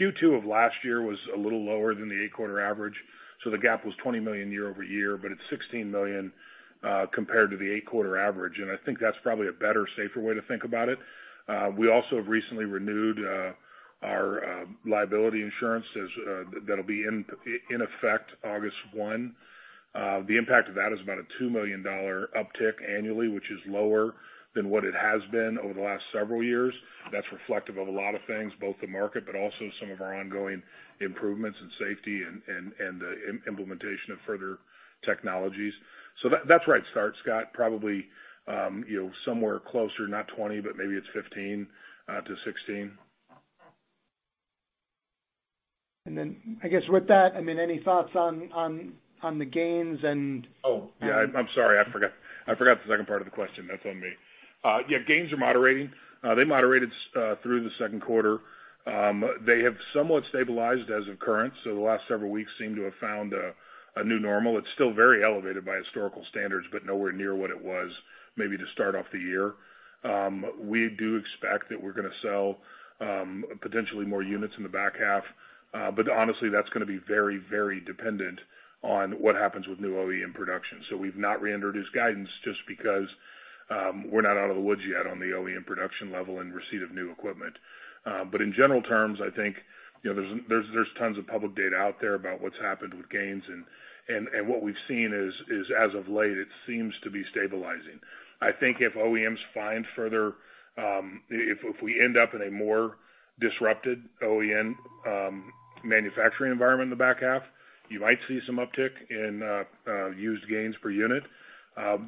Q2 of last year was a little lower than the eight-quarter average, so the gap was $20 million year-over-year, but it's $16 million compared to the eight-quarter average. I think that's probably a better, safer way to think about it. We also have recently renewed our liability insurance. That'll be in effect August 1. The impact of that is about a $2 million uptick annually, which is lower than what it has been over the last several years. That's reflective of a lot of things, both the market, but also some of our ongoing improvements in safety and implementation of further technologies. That's the right start, Scott. Probably, you know, somewhere closer, not $20 million, but maybe it's $15 million-$16 million. I guess with that, I mean, any thoughts on the gains and? Oh, yeah, I'm sorry. I forgot the second part of the question. That's on me. Yeah, gains are moderating. They moderated through the second quarter. They have somewhat stabilized as of current, so the last several weeks seem to have found a new normal. It's still very elevated by historical standards, but nowhere near what it was maybe to start off the year. We do expect that we're gonna sell potentially more units in the back half. But honestly, that's gonna be very, very dependent on what happens with new OEM production. We've not re-introduced guidance just because we're not out of the woods yet on the OEM production level and receipt of new equipment. In general terms, I think, you know, there's tons of public data out there about what's happened with trucks and what we've seen is, as of late, it seems to be stabilizing. I think if OEMs find further, if we end up in a more disrupted OEM manufacturing environment in the back half, you might see some uptick in used trucks per unit.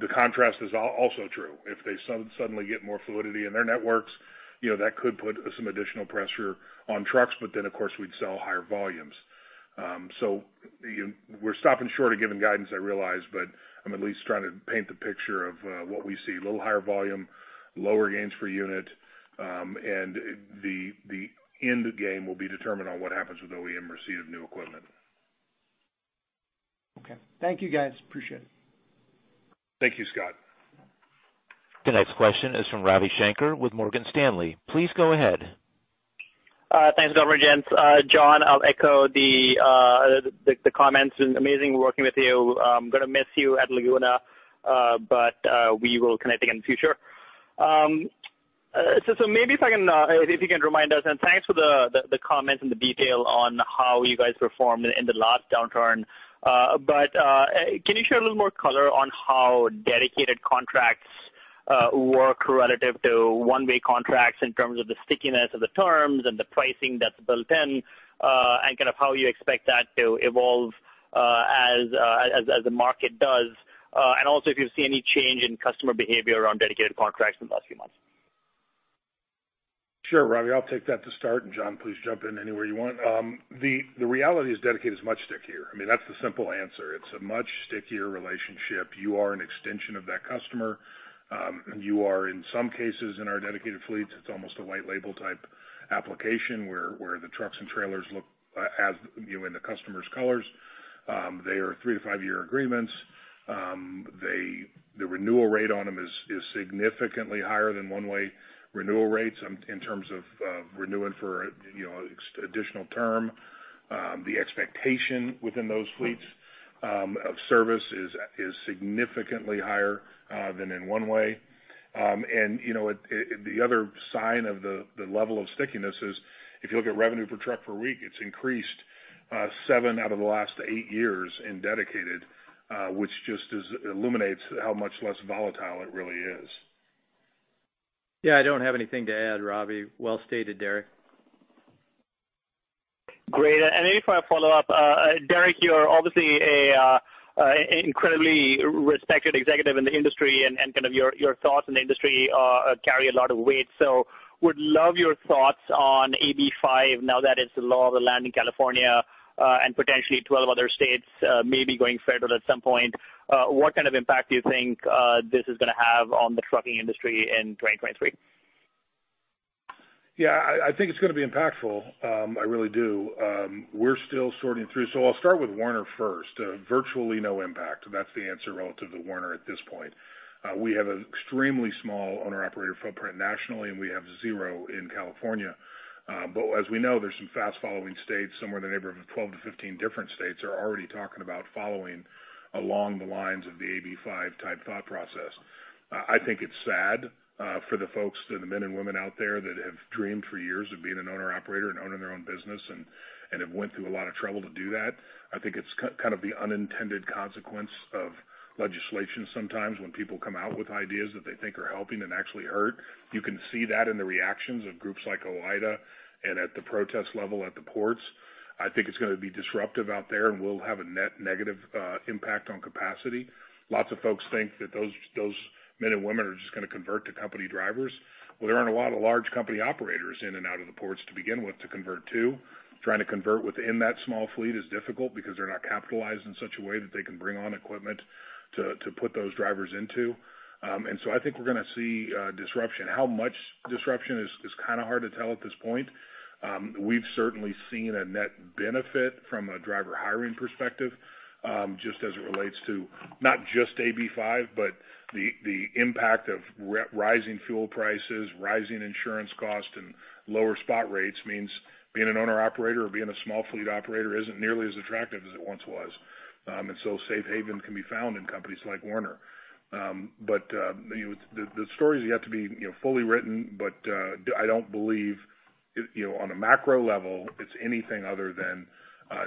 The contrast is also true. If they suddenly get more fluidity in their networks, you know, that could put some additional pressure on trucks, but then of course we'd sell higher volumes. We're stopping short of giving guidance, I realize, but I'm at least trying to paint the picture of what we see. A little higher volume, lower gains per unit, and the end game will be determined on what happens with OEM receipt of new equipment. Okay. Thank you guys. Appreciate it. Thank you, Scott. The next question is from Ravi Shanker with Morgan Stanley. Please go ahead. Thanks, gentlemen. John, I'll echo the comments. It's been amazing working with you. I'm gonna miss you at Laguna, but we will connect again in the future. Maybe if I can, if you can remind us, and thanks for the comments and the detail on how you guys performed in the last downturn. Can you share a little more color on how Dedicated contracts work relative to One-Way contracts in terms of the stickiness of the terms and the pricing that's built in, and kind of how you expect that to evolve as the market does? Also if you've seen any change in customer behavior around Dedicated contracts in the last few months. Sure, Ravi, I'll take that to start, and John, please jump in anywhere you want. The reality is Dedicated is much stickier. I mean, that's the simple answer. It's a much stickier relationship. You are an extension of that customer. You are in some cases in our Dedicated fleets, it's almost a white label type application where the trucks and trailers look as, you know, in the customer's colors. They are three to five-year agreements. The renewal rate on them is significantly higher than One-Way renewal rates in terms of renewing for, you know, additional term. The expectation within those fleets of service is significantly higher than in One-Way. You know, the other sign of the level of stickiness is if you look at revenue per truck per week, it's increased seven out of the last eight years in Dedicated, which just illuminates how much less volatile it really is. Yeah, I don't have anything to add, Ravi. Well stated, Derek. Great. Maybe if I follow up, Derek, you're obviously incredibly respected executive in the industry and kind of your thoughts in the industry carry a lot of weight. Would love your thoughts on AB5 now that it's the law of the land in California, and potentially 12 other states, maybe going federal at some point. What kind of impact do you think this is gonna have on the trucking industry in 2023? I think it's gonna be impactful. I really do. We're still sorting through. I'll start with Werner first. Virtually no impact. That's the answer relative to Werner at this point. We have an extremely small owner-operator footprint nationally, and we have zero in California. But as we know, there's some fast following states, somewhere in the neighborhood of 12-15 different states are already talking about following along the lines of the AB5 type thought process. I think it's sad, for the folks, the men and women out there that have dreamed for years of being an owner-operator and owning their own business and have went through a lot of trouble to do that. I think it's kind of the unintended consequence of legislation sometimes when people come out with ideas that they think are helping and actually hurt. You can see that in the reactions of groups like OOIDA and at the protest level at the ports. I think it's gonna be disruptive out there and will have a net negative impact on capacity. Lots of folks think that those men and women are just gonna convert to company drivers. Well, there aren't a lot of large company operators in and out of the ports to begin with to convert to. Trying to convert within that small fleet is difficult because they're not capitalized in such a way that they can bring on equipment to put those drivers into. I think we're gonna see disruption. How much disruption is kind of hard to tell at this point. We've certainly seen a net benefit from a driver hiring perspective, just as it relates to not just AB5, but the impact of rising fuel prices, rising insurance costs, and lower spot rates means being an owner-operator or being a small fleet operator isn't nearly as attractive as it once was. Safe haven can be found in companies like Werner. You know, the story has yet to be, you know, fully written. I don't believe, you know, on a macro level, it's anything other than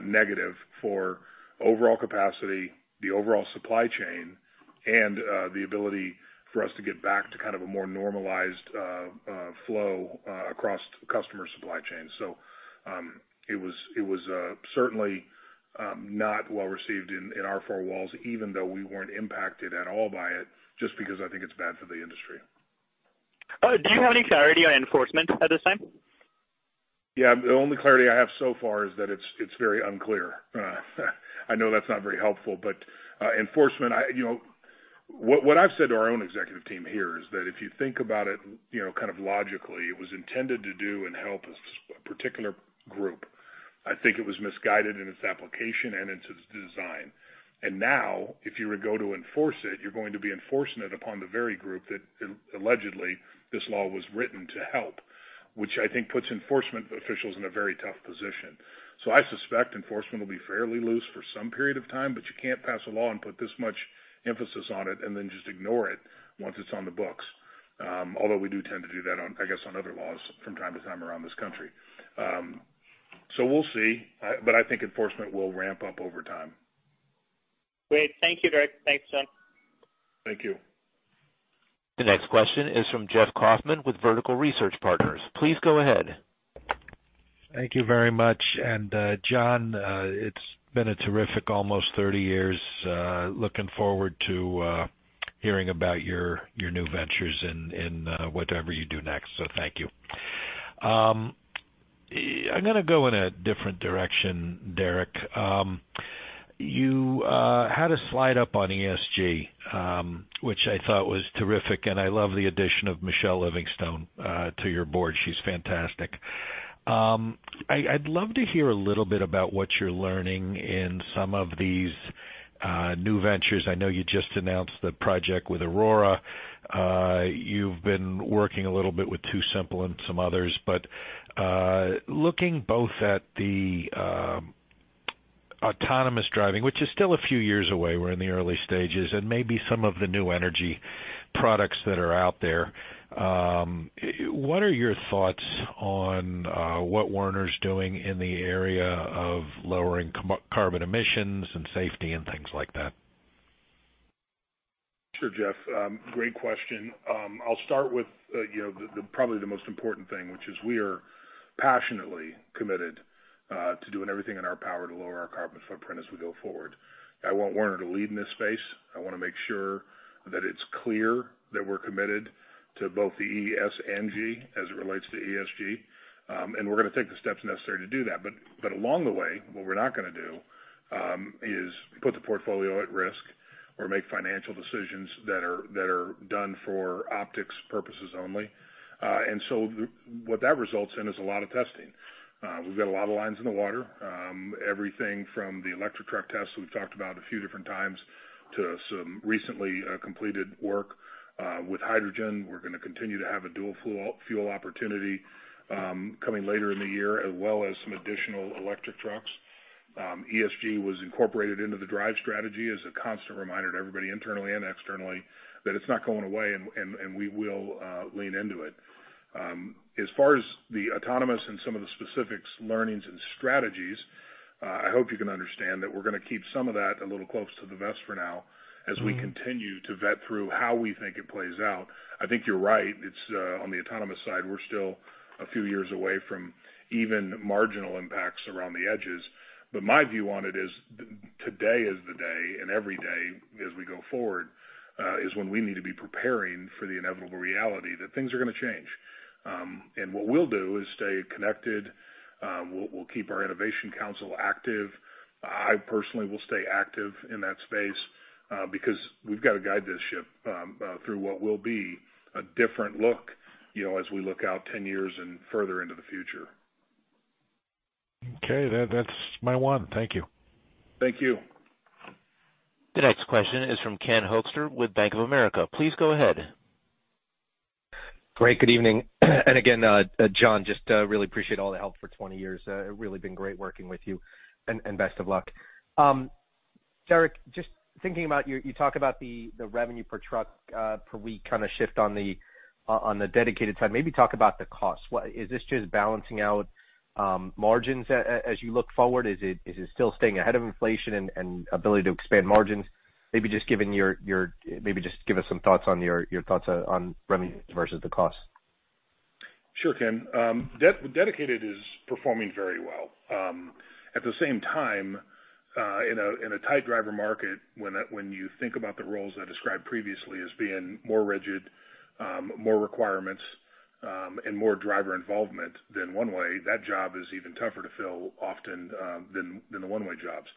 negative for overall capacity, the overall supply chain, and the ability for us to get back to kind of a more normalized flow across customer supply chains. It was certainly not well received in our four walls, even though we weren't impacted at all by it, just because I think it's bad for the industry. Oh, do you have any clarity on enforcement at this time? Yeah. The only clarity I have so far is that it's very unclear. I know that's not very helpful, but enforcement, you know, what I've said to our own executive team here is that if you think about it, you know, kind of logically, it was intended to do and help a particular group. I think it was misguided in its application and in its design. If you were to go enforce it, you're going to be enforcing it upon the very group that allegedly this law was written to help, which I think puts enforcement officials in a very tough position. I suspect enforcement will be fairly loose for some period of time, but you can't pass a law and put this much emphasis on it and then just ignore it once it's on the books. Although we do tend to do that on, I guess, on other laws from time to time around this country. We'll see. I think enforcement will ramp up over time. Great. Thank you, Derek. Thanks, John. Thank you. The next question is from Jeff Kauffman with Vertical Research Partners. Please go ahead. Thank you very much. John, it's been a terrific almost 30 years. Looking forward to hearing about your new ventures in whatever you do next. Thank you. I'm gonna go in a different direction, Derek. You had a slide up on ESG, which I thought was terrific, and I love the addition of Michelle Livingstone to your board. She's fantastic. I'd love to hear a little bit about what you're learning in some of these new ventures. I know you just announced the project with Aurora. You've been working a little bit with TuSimple and some others. Looking both at the autonomous driving, which is still a few years away, we're in the early stages, and maybe some of the new energy products that are out there, what are your thoughts on what Werner's doing in the area of lowering carbon emissions and safety and things like that? Sure, Jeff. Great question. I'll start with, you know, probably the most important thing, which is we are passionately committed to doing everything in our power to lower our carbon footprint as we go forward. I want Werner to lead in this space. I wanna make sure that it's clear that we're committed to both the ES and G, as it relates to ESG, and we're gonna take the steps necessary to do that. Along the way, what we're not gonna do is put the portfolio at risk or make financial decisions that are done for optics purposes only. What that results in is a lot of testing. We've got a lot of lines in the water, everything from the electric truck tests we've talked about a few different times to some recently completed work with hydrogen. We're gonna continue to have a dual fuel opportunity coming later in the year, as well as some additional electric trucks. ESG was incorporated into the DRIVE strategy as a constant reminder to everybody internally and externally that it's not going away and we will lean into it. As far as the autonomous and some of the specifics, learnings and strategies, I hope you can understand that we're gonna keep some of that a little close to the vest for now as we continue to vet through how we think it plays out. I think you're right. It's On the autonomous side, we're still a few years away from even marginal impacts around the edges. My view on it is today is the day, and every day as we go forward, is when we need to be preparing for the inevitable reality that things are gonna change. What we'll do is stay connected. We'll keep our innovation council active. I personally will stay active in that space, because we've got to guide this ship through what will be a different look, you know, as we look out 10 years and further into the future. Okay. That's my one. Thank you. Thank you. The next question is from Ken Hoexter with Bank of America. Please go ahead. Great. Good evening. Again, John, just really appreciate all the help for 20 years. It really been great working with you and best of luck. Derek, just thinking about your you talk about the revenue per truck per week kinda shift on the Dedicated side. Maybe talk about the cost. Is this just balancing out margins as you look forward? Is it still staying ahead of inflation and ability to expand margins? Maybe just give us some thoughts on your thoughts on revenue versus the cost. Sure, Ken. Dedicated is performing very well. At the same time, in a tight driver market, when you think about the roles I described previously as being more rigid, more requirements, and more driver involvement than One-Way, that job is even tougher to fill often than the One-Way jobs.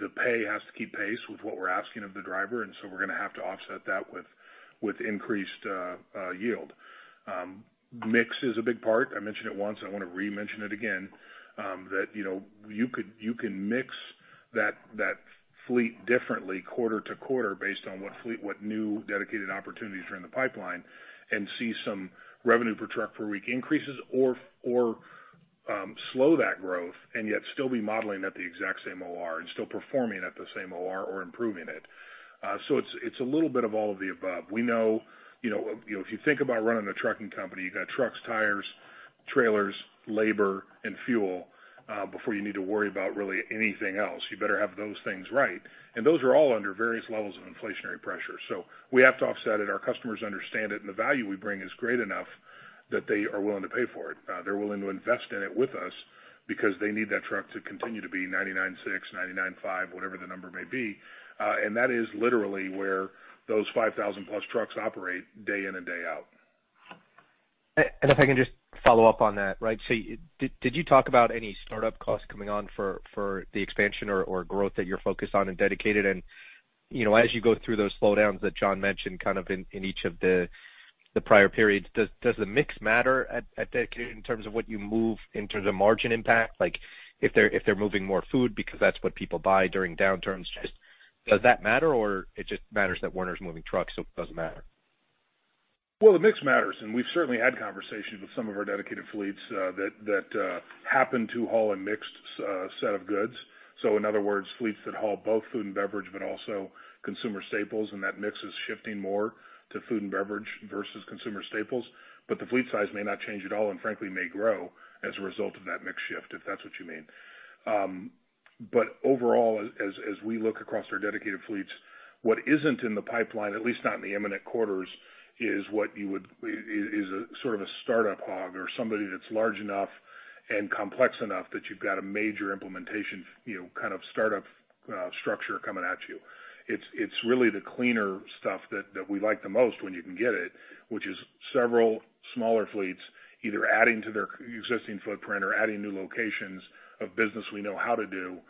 The pay has to keep pace with what we're asking of the driver, and so we're gonna have to offset that with increased yield. Mix is a big part. I mentioned it once. I wanna re-mention it again. You know, you can mix that fleet differently quarter-to-quarter based on what new Dedicated opportunities are in the pipeline and see some revenue per truck per week increases or slow that growth and yet still be modeling at the exact same OR and still performing at the same OR or improving it. It's a little bit of all of the above. We know, you know, if you think about running a trucking company, you got trucks, tires, trailers, labor, and fuel before you need to worry about really anything else. You better have those things right. Those are all under various levels of inflationary pressure. We have to offset it, our customers understand it, and the value we bring is great enough that they are willing to pay for it. They're willing to invest in it with us because they need that truck to continue to be 99.6%, 99.5%, whatever the number may be. That is literally where those 5,000+ trucks operate day in and day out. If I can just follow up on that, right? So did you talk about any startup costs coming on for the expansion or growth that you're focused on in Dedicated? You know, as you go through those slowdowns that John mentioned kind of in each of the prior periods, does the mix matter at Dedicated in terms of what you move in terms of margin impact? Like if they're moving more food because that's what people buy during downturns, just does that matter? It just matters that Werner's moving trucks, so it doesn't matter. Well, the mix matters, and we've certainly had conversations with some of our Dedicated fleets that happen to haul a mixed set of goods. In other words, fleets that haul both food and beverage, but also consumer staples, and that mix is shifting more to food and beverage versus consumer staples. The fleet size may not change at all, and frankly, may grow as a result of that mix shift, if that's what you mean. Overall, as we look across our Dedicated fleets, what isn't in the pipeline, at least not in the imminent quarters, is sort of a startup hog or somebody that's large enough and complex enough that you've got a major implementation, you know, kind of startup structure coming at you. It's really the cleaner stuff that we like the most when you can get it, which is several smaller fleets either adding to their existing footprint or adding new locations of business we know how to do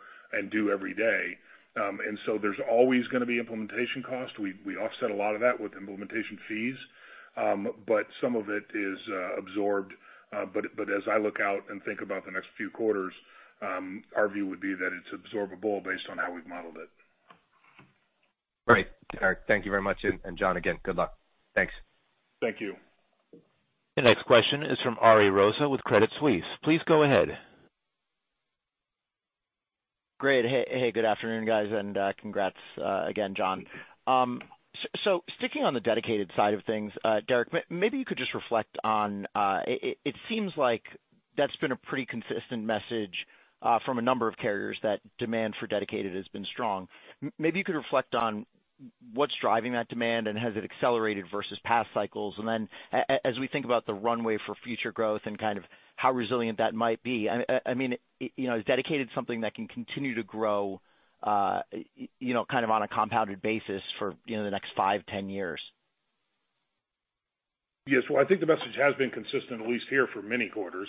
every day. There's always gonna be implementation costs. We offset a lot of that with implementation fees, but some of it is absorbed. As I look out and think about the next few quarters, our view would be that it's absorbable based on how we've modeled it. Great. All right. Thank you very much. John, again, good luck. Thanks. Thank you. The next question is from Ari Rosa with Credit Suisse. Please go ahead. Great. Hey, hey, good afternoon, guys, and congrats, again, John. Sticking on the Dedicated side of things, Derek, maybe you could just reflect on it. It seems like that's been a pretty consistent message from a number of carriers that demand for Dedicated has been strong. Maybe you could reflect on what's driving that demand and has it accelerated versus past cycles. As we think about the runway for future growth and kind of how resilient that might be, I mean, you know, is Dedicated something that can continue to grow, you know, kind of on a compounded basis for, you know, the next five, 10 years? Yes. Well, I think the message has been consistent, at least here, for many quarters.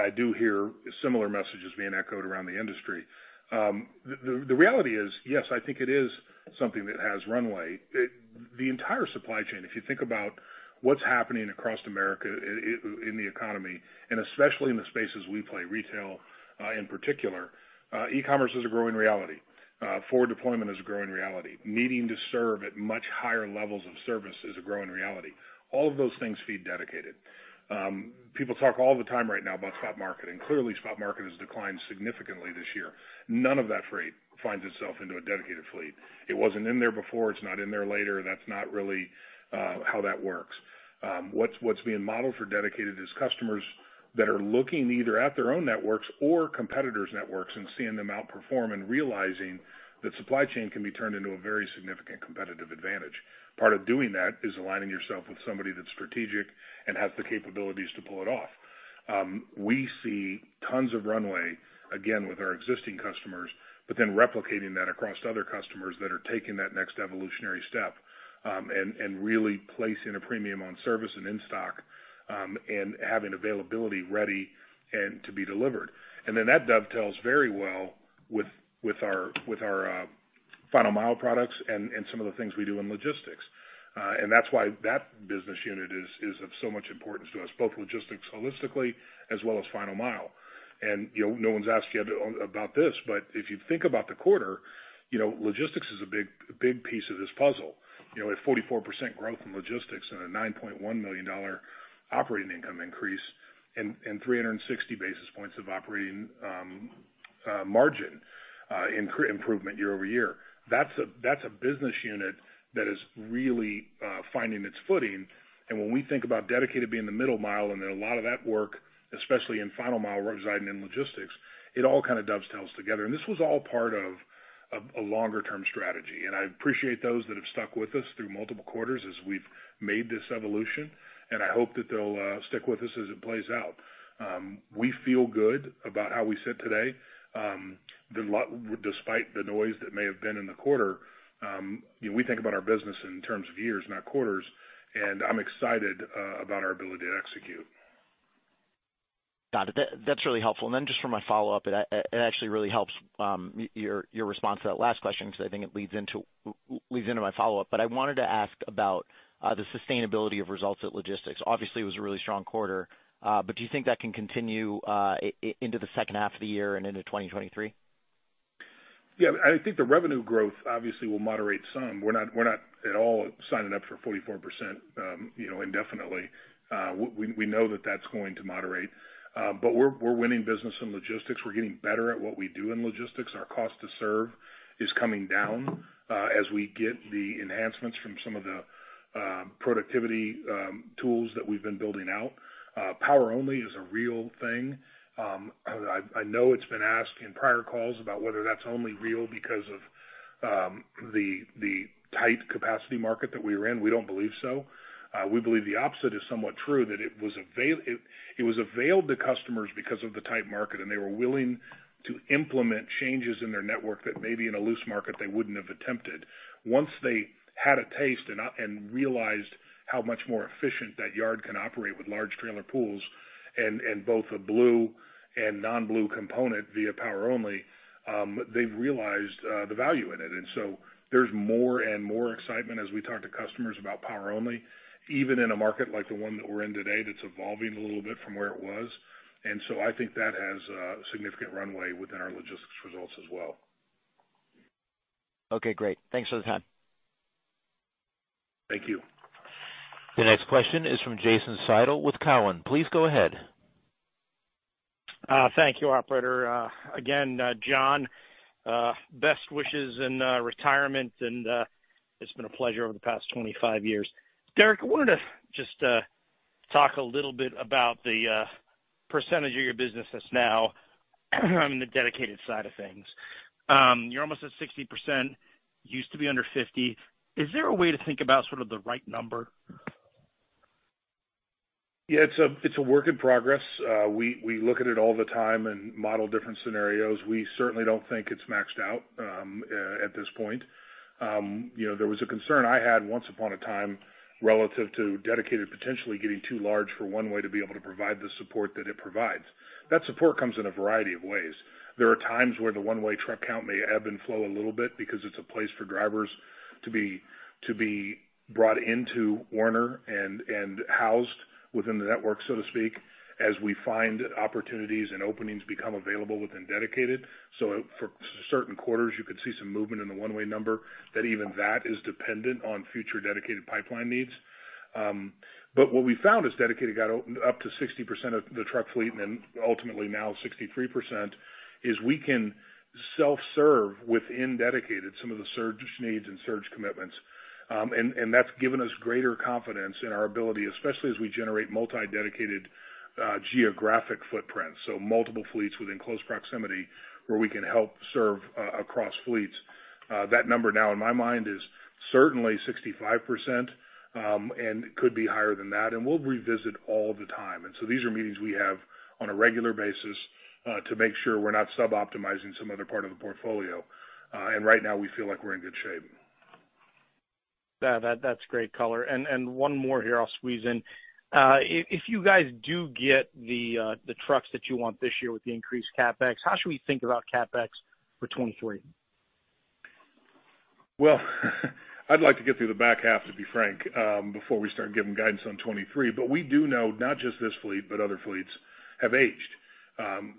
I do hear similar messages being echoed around the industry. The reality is, yes, I think it is something that has runway. The entire supply chain, if you think about what's happening across America in the economy, and especially in the spaces we play, retail, in particular, e-commerce is a growing reality. Forward deployment is a growing reality. Needing to serve at much higher levels of service is a growing reality. All of those things feed Dedicated. People talk all the time right now about spot market. Clearly, spot market has declined significantly this year. None of that freight finds itself into a Dedicated fleet. It wasn't in there before, it's not in there later, and that's not really how that works. What's being modeled for Dedicated is customers that are looking either at their own networks or competitors' networks and seeing them outperform and realizing that supply chain can be turned into a very significant competitive advantage. Part of doing that is aligning yourself with somebody that's strategic and has the capabilities to pull it off. We see tons of runway, again, with our existing customers, but then replicating that across other customers that are taking that next evolutionary step, and really placing a premium on service and in-stock, and having availability ready and to be delivered. That dovetails very well with our Final Mile products and some of the things we do in logistics. That's why that business unit is of so much importance to us, both logistics holistically as well as Final Mile. You know, no one's asked yet about this, but if you think about the quarter, you know, logistics is a big piece of this puzzle. You know, at 44% growth in logistics and a $9.1 million operating income increase and 360 basis points of operating margin improvement year-over-year, that's a business unit that is really finding its footing. When we think about Dedicated being the middle mile, and then a lot of that work, especially in final mile, residing in logistics, it all kind of dovetails together. This was all part of a longer term strategy. I appreciate those that have stuck with us through multiple quarters as we've made this evolution, and I hope that they'll stick with us as it plays out. We feel good about how we sit today. Despite the noise that may have been in the quarter, you know, we think about our business in terms of years, not quarters, and I'm excited about our ability to execute. Got it. That's really helpful. Then just for my follow-up, it actually really helps, your response to that last question 'cause I think it leads into my follow-up. I wanted to ask about the sustainability of results at logistics. Obviously, it was a really strong quarter, but do you think that can continue into the second half of the year and into 2023? Yeah. I think the revenue growth obviously will moderate some. We're not at all signing up for 44%, you know, indefinitely. We know that that's going to moderate. We're winning business in logistics. We're getting better at what we do in logistics. Our cost to serve is coming down as we get the enhancements from some of the productivity tools that we've been building out. Power-only is a real thing. I know it's been asked in prior calls about whether that's only real because of the tight capacity market that we are in. We don't believe so. We believe the opposite is somewhat true, that it was availed to customers because of the tight market, and they were willing to implement changes in their network that maybe in a loose market they wouldn't have attempted. Once they had a taste and realized how much more efficient that yard can operate with large trailer pools and both a blue and non-blue component via power only, they've realized the value in it. There's more and more excitement as we talk to customers about power only, even in a market like the one that we're in today that's evolving a little bit from where it was. I think that has significant runway within our logistics results as well. Okay, great. Thanks for the time. Thank you. The next question is from Jason Seidl with Cowen. Please go ahead. Thank you, operator. Again, John, best wishes in retirement, and it's been a pleasure over the past 25 years. Derek, I wanted to just talk a little bit about the percentage of your business that's now on the Dedicated side of things. You're almost at 60%, used to be under 50%. Is there a way to think about sort of the right number? Yeah, it's a work in progress. We look at it all the time and model different scenarios. We certainly don't think it's maxed out at this point. You know, there was a concern I had once upon a time relative to Dedicated potentially getting too large for One-Way to be able to provide the support that it provides. That support comes in a variety of ways. There are times where the One-Way Truck count may ebb and flow a little bit because it's a place for drivers to be brought into Werner and housed within the network, so to speak, as we find opportunities and openings become available within Dedicated. For certain quarters, you could see some movement in the One-Way number that even that is dependent on future Dedicated pipeline needs. What we found as Dedicated got opened up to 60% of the truck fleet and ultimately now 63%, is we can self-serve within Dedicated some of the surge needs and surge commitments. That's given us greater confidence in our ability, especially as we generate multi-Dedicated geographic footprints, so multiple fleets within close proximity where we can help serve across fleets. That number now in my mind is certainly 65%, and could be higher than that. We'll revisit all the time. These are meetings we have on a regular basis to make sure we're not suboptimizing some other part of the portfolio. Right now we feel like we're in good shape. That, that's great color. One more here I'll squeeze in. If you guys do get the trucks that you want this year with the increased CapEx, how should we think about CapEx for 2023? Well, I'd like to get through the back half, to be frank, before we start giving guidance on 2023. We do know not just this fleet, but other fleets have aged.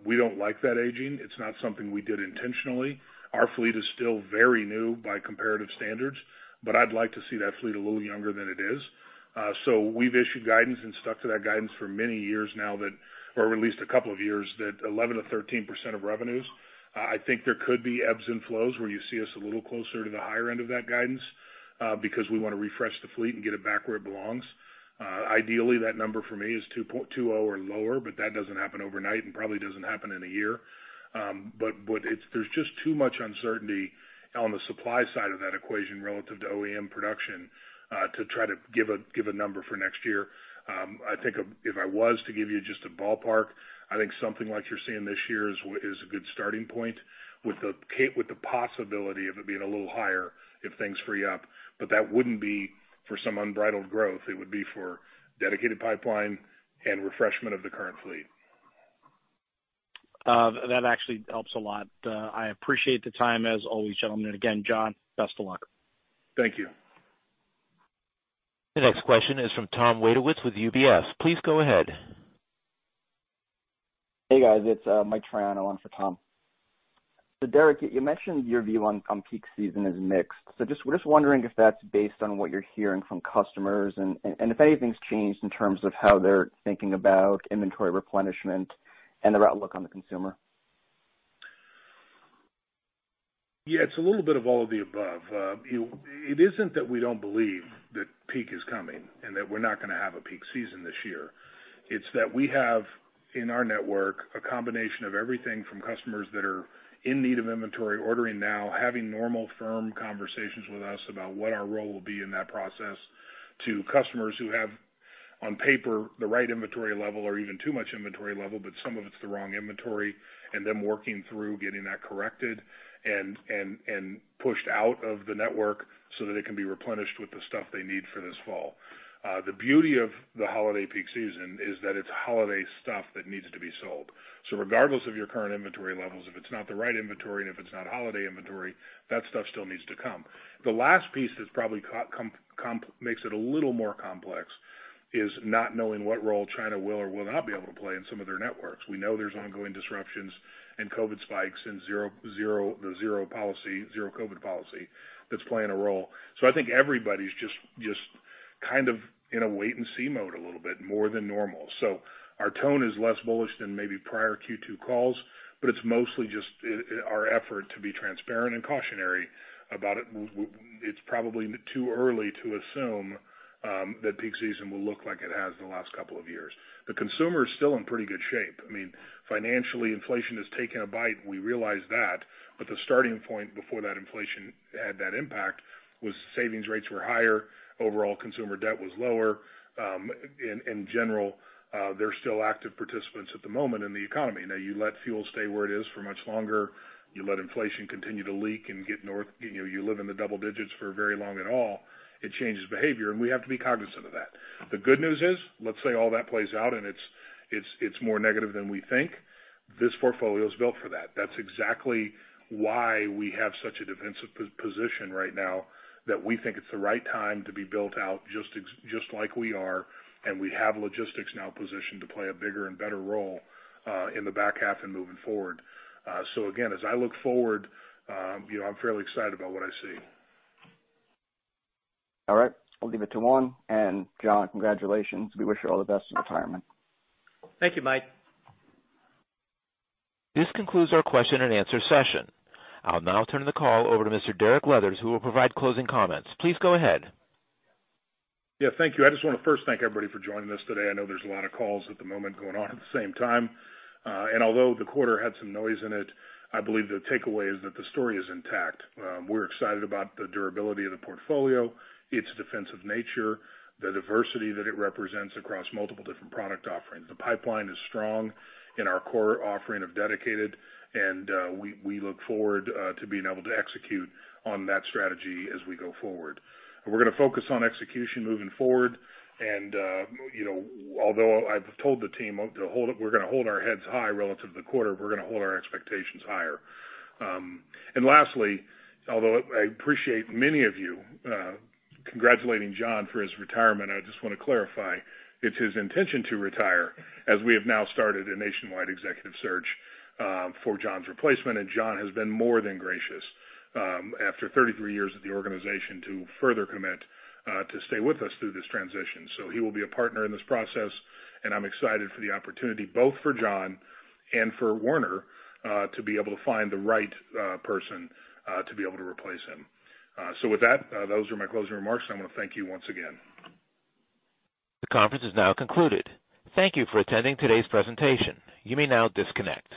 We don't like that aging. It's not something we did intentionally. Our fleet is still very new by comparative standards, but I'd like to see that fleet a little younger than it is. We've issued guidance and stuck to that guidance for many years now that, or at least a couple of years, that 11%-13% of revenues. I think there could be ebbs and flows where you see us a little closer to the higher end of that guidance, because we want to refresh the fleet and get it back where it belongs. Ideally, that number for me is 2.0 or lower, but that doesn't happen overnight and probably doesn't happen in a year. There's just too much uncertainty on the supply side of that equation relative to OEM production to try to give a number for next year. I think if I was to give you just a ballpark, I think something like you're seeing this year is a good starting point with the possibility of it being a little higher if things free up. That wouldn't be for some unbridled growth. It would be for Dedicated pipeline and refreshment of the current fleet. That actually helps a lot. I appreciate the time as always, gentlemen. Again, John, best of luck. Thank you. The next question is from Tom Wadewitz with UBS. Please go ahead. Hey, guys, it's Michael Triano on for Tom. Derek, you mentioned your view on peak season is mixed. We're wondering if that's based on what you're hearing from customers and if anything's changed in terms of how they're thinking about inventory replenishment and their outlook on the consumer. Yeah, it's a little bit of all of the above. It isn't that we don't believe that peak is coming and that we're not gonna have a peak season this year. It's that we have, in our network, a combination of everything from customers that are in need of inventory ordering now, having normal firm conversations with us about what our role will be in that process, to customers who have, on paper, the right inventory level or even too much inventory level, but some of it's the wrong inventory, and them working through getting that corrected and pushed out of the network so that it can be replenished with the stuff they need for this fall. The beauty of the holiday peak season is that it's holiday stuff that needs to be sold. Regardless of your current inventory levels, if it's not the right inventory and if it's not holiday inventory, that stuff still needs to come. The last piece that's probably complicating makes it a little more complex is not knowing what role China will or will not be able to play in some of their networks. We know there's ongoing disruptions and COVID spikes and zero COVID policy that's playing a role. I think everybody's just kind of in a wait and see mode a little bit more than normal. Our tone is less bullish than maybe prior Q2 calls, but it's mostly just our effort to be transparent and cautionary about it. It's probably too early to assume that peak season will look like it has the last couple of years. The consumer is still in pretty good shape. I mean, financially, inflation has taken a bite. We realize that. The starting point before that inflation had that impact was savings rates were higher, overall consumer debt was lower. In general, they're still active participants at the moment in the economy. Now you let fuel stay where it is for much longer, you let inflation continue to leak and get north. You know, you live in the double digits for very long at all, it changes behavior, and we have to be cognizant of that. The good news is, let's say all that plays out, and it's more negative than we think, this portfolio is built for that. That's exactly why we have such a defensive position right now, that we think it's the right time to be built out just like we are. We have logistics now positioned to play a bigger and better role in the back half and moving forward. Again, as I look forward, you know, I'm fairly excited about what I see. All right, I'll leave it to one. John, congratulations. We wish you all the best in retirement. Thank you, Mike. This concludes our question and answer session. I'll now turn the call over to Mr. Derek Leathers, who will provide closing comments. Please go ahead. Yeah, thank you. I just wanna first thank everybody for joining us today. I know there's a lot of calls at the moment going on at the same time. Although the quarter had some noise in it, I believe the takeaway is that the story is intact. We're excited about the durability of the portfolio, its defensive nature, the diversity that it represents across multiple different product offerings. The pipeline is strong in our core offering of Dedicated, and we look forward to being able to execute on that strategy as we go forward. We're gonna focus on execution moving forward. You know, although I've told the team to hold up, we're gonna hold our heads high relative to the quarter, we're gonna hold our expectations higher. Lastly, although I appreciate many of you congratulating John for his retirement, I just wanna clarify, it's his intention to retire as we have now started a nationwide executive search for John's replacement. John has been more than gracious, after 33 years at the organization, to further commit to stay with us through this transition. He will be a partner in this process, and I'm excited for the opportunity, both for John and for Werner, to be able to find the right person to be able to replace him. With that, those are my closing remarks. I wanna thank you once again. The conference is now concluded. Thank you for attending today's presentation. You may now disconnect.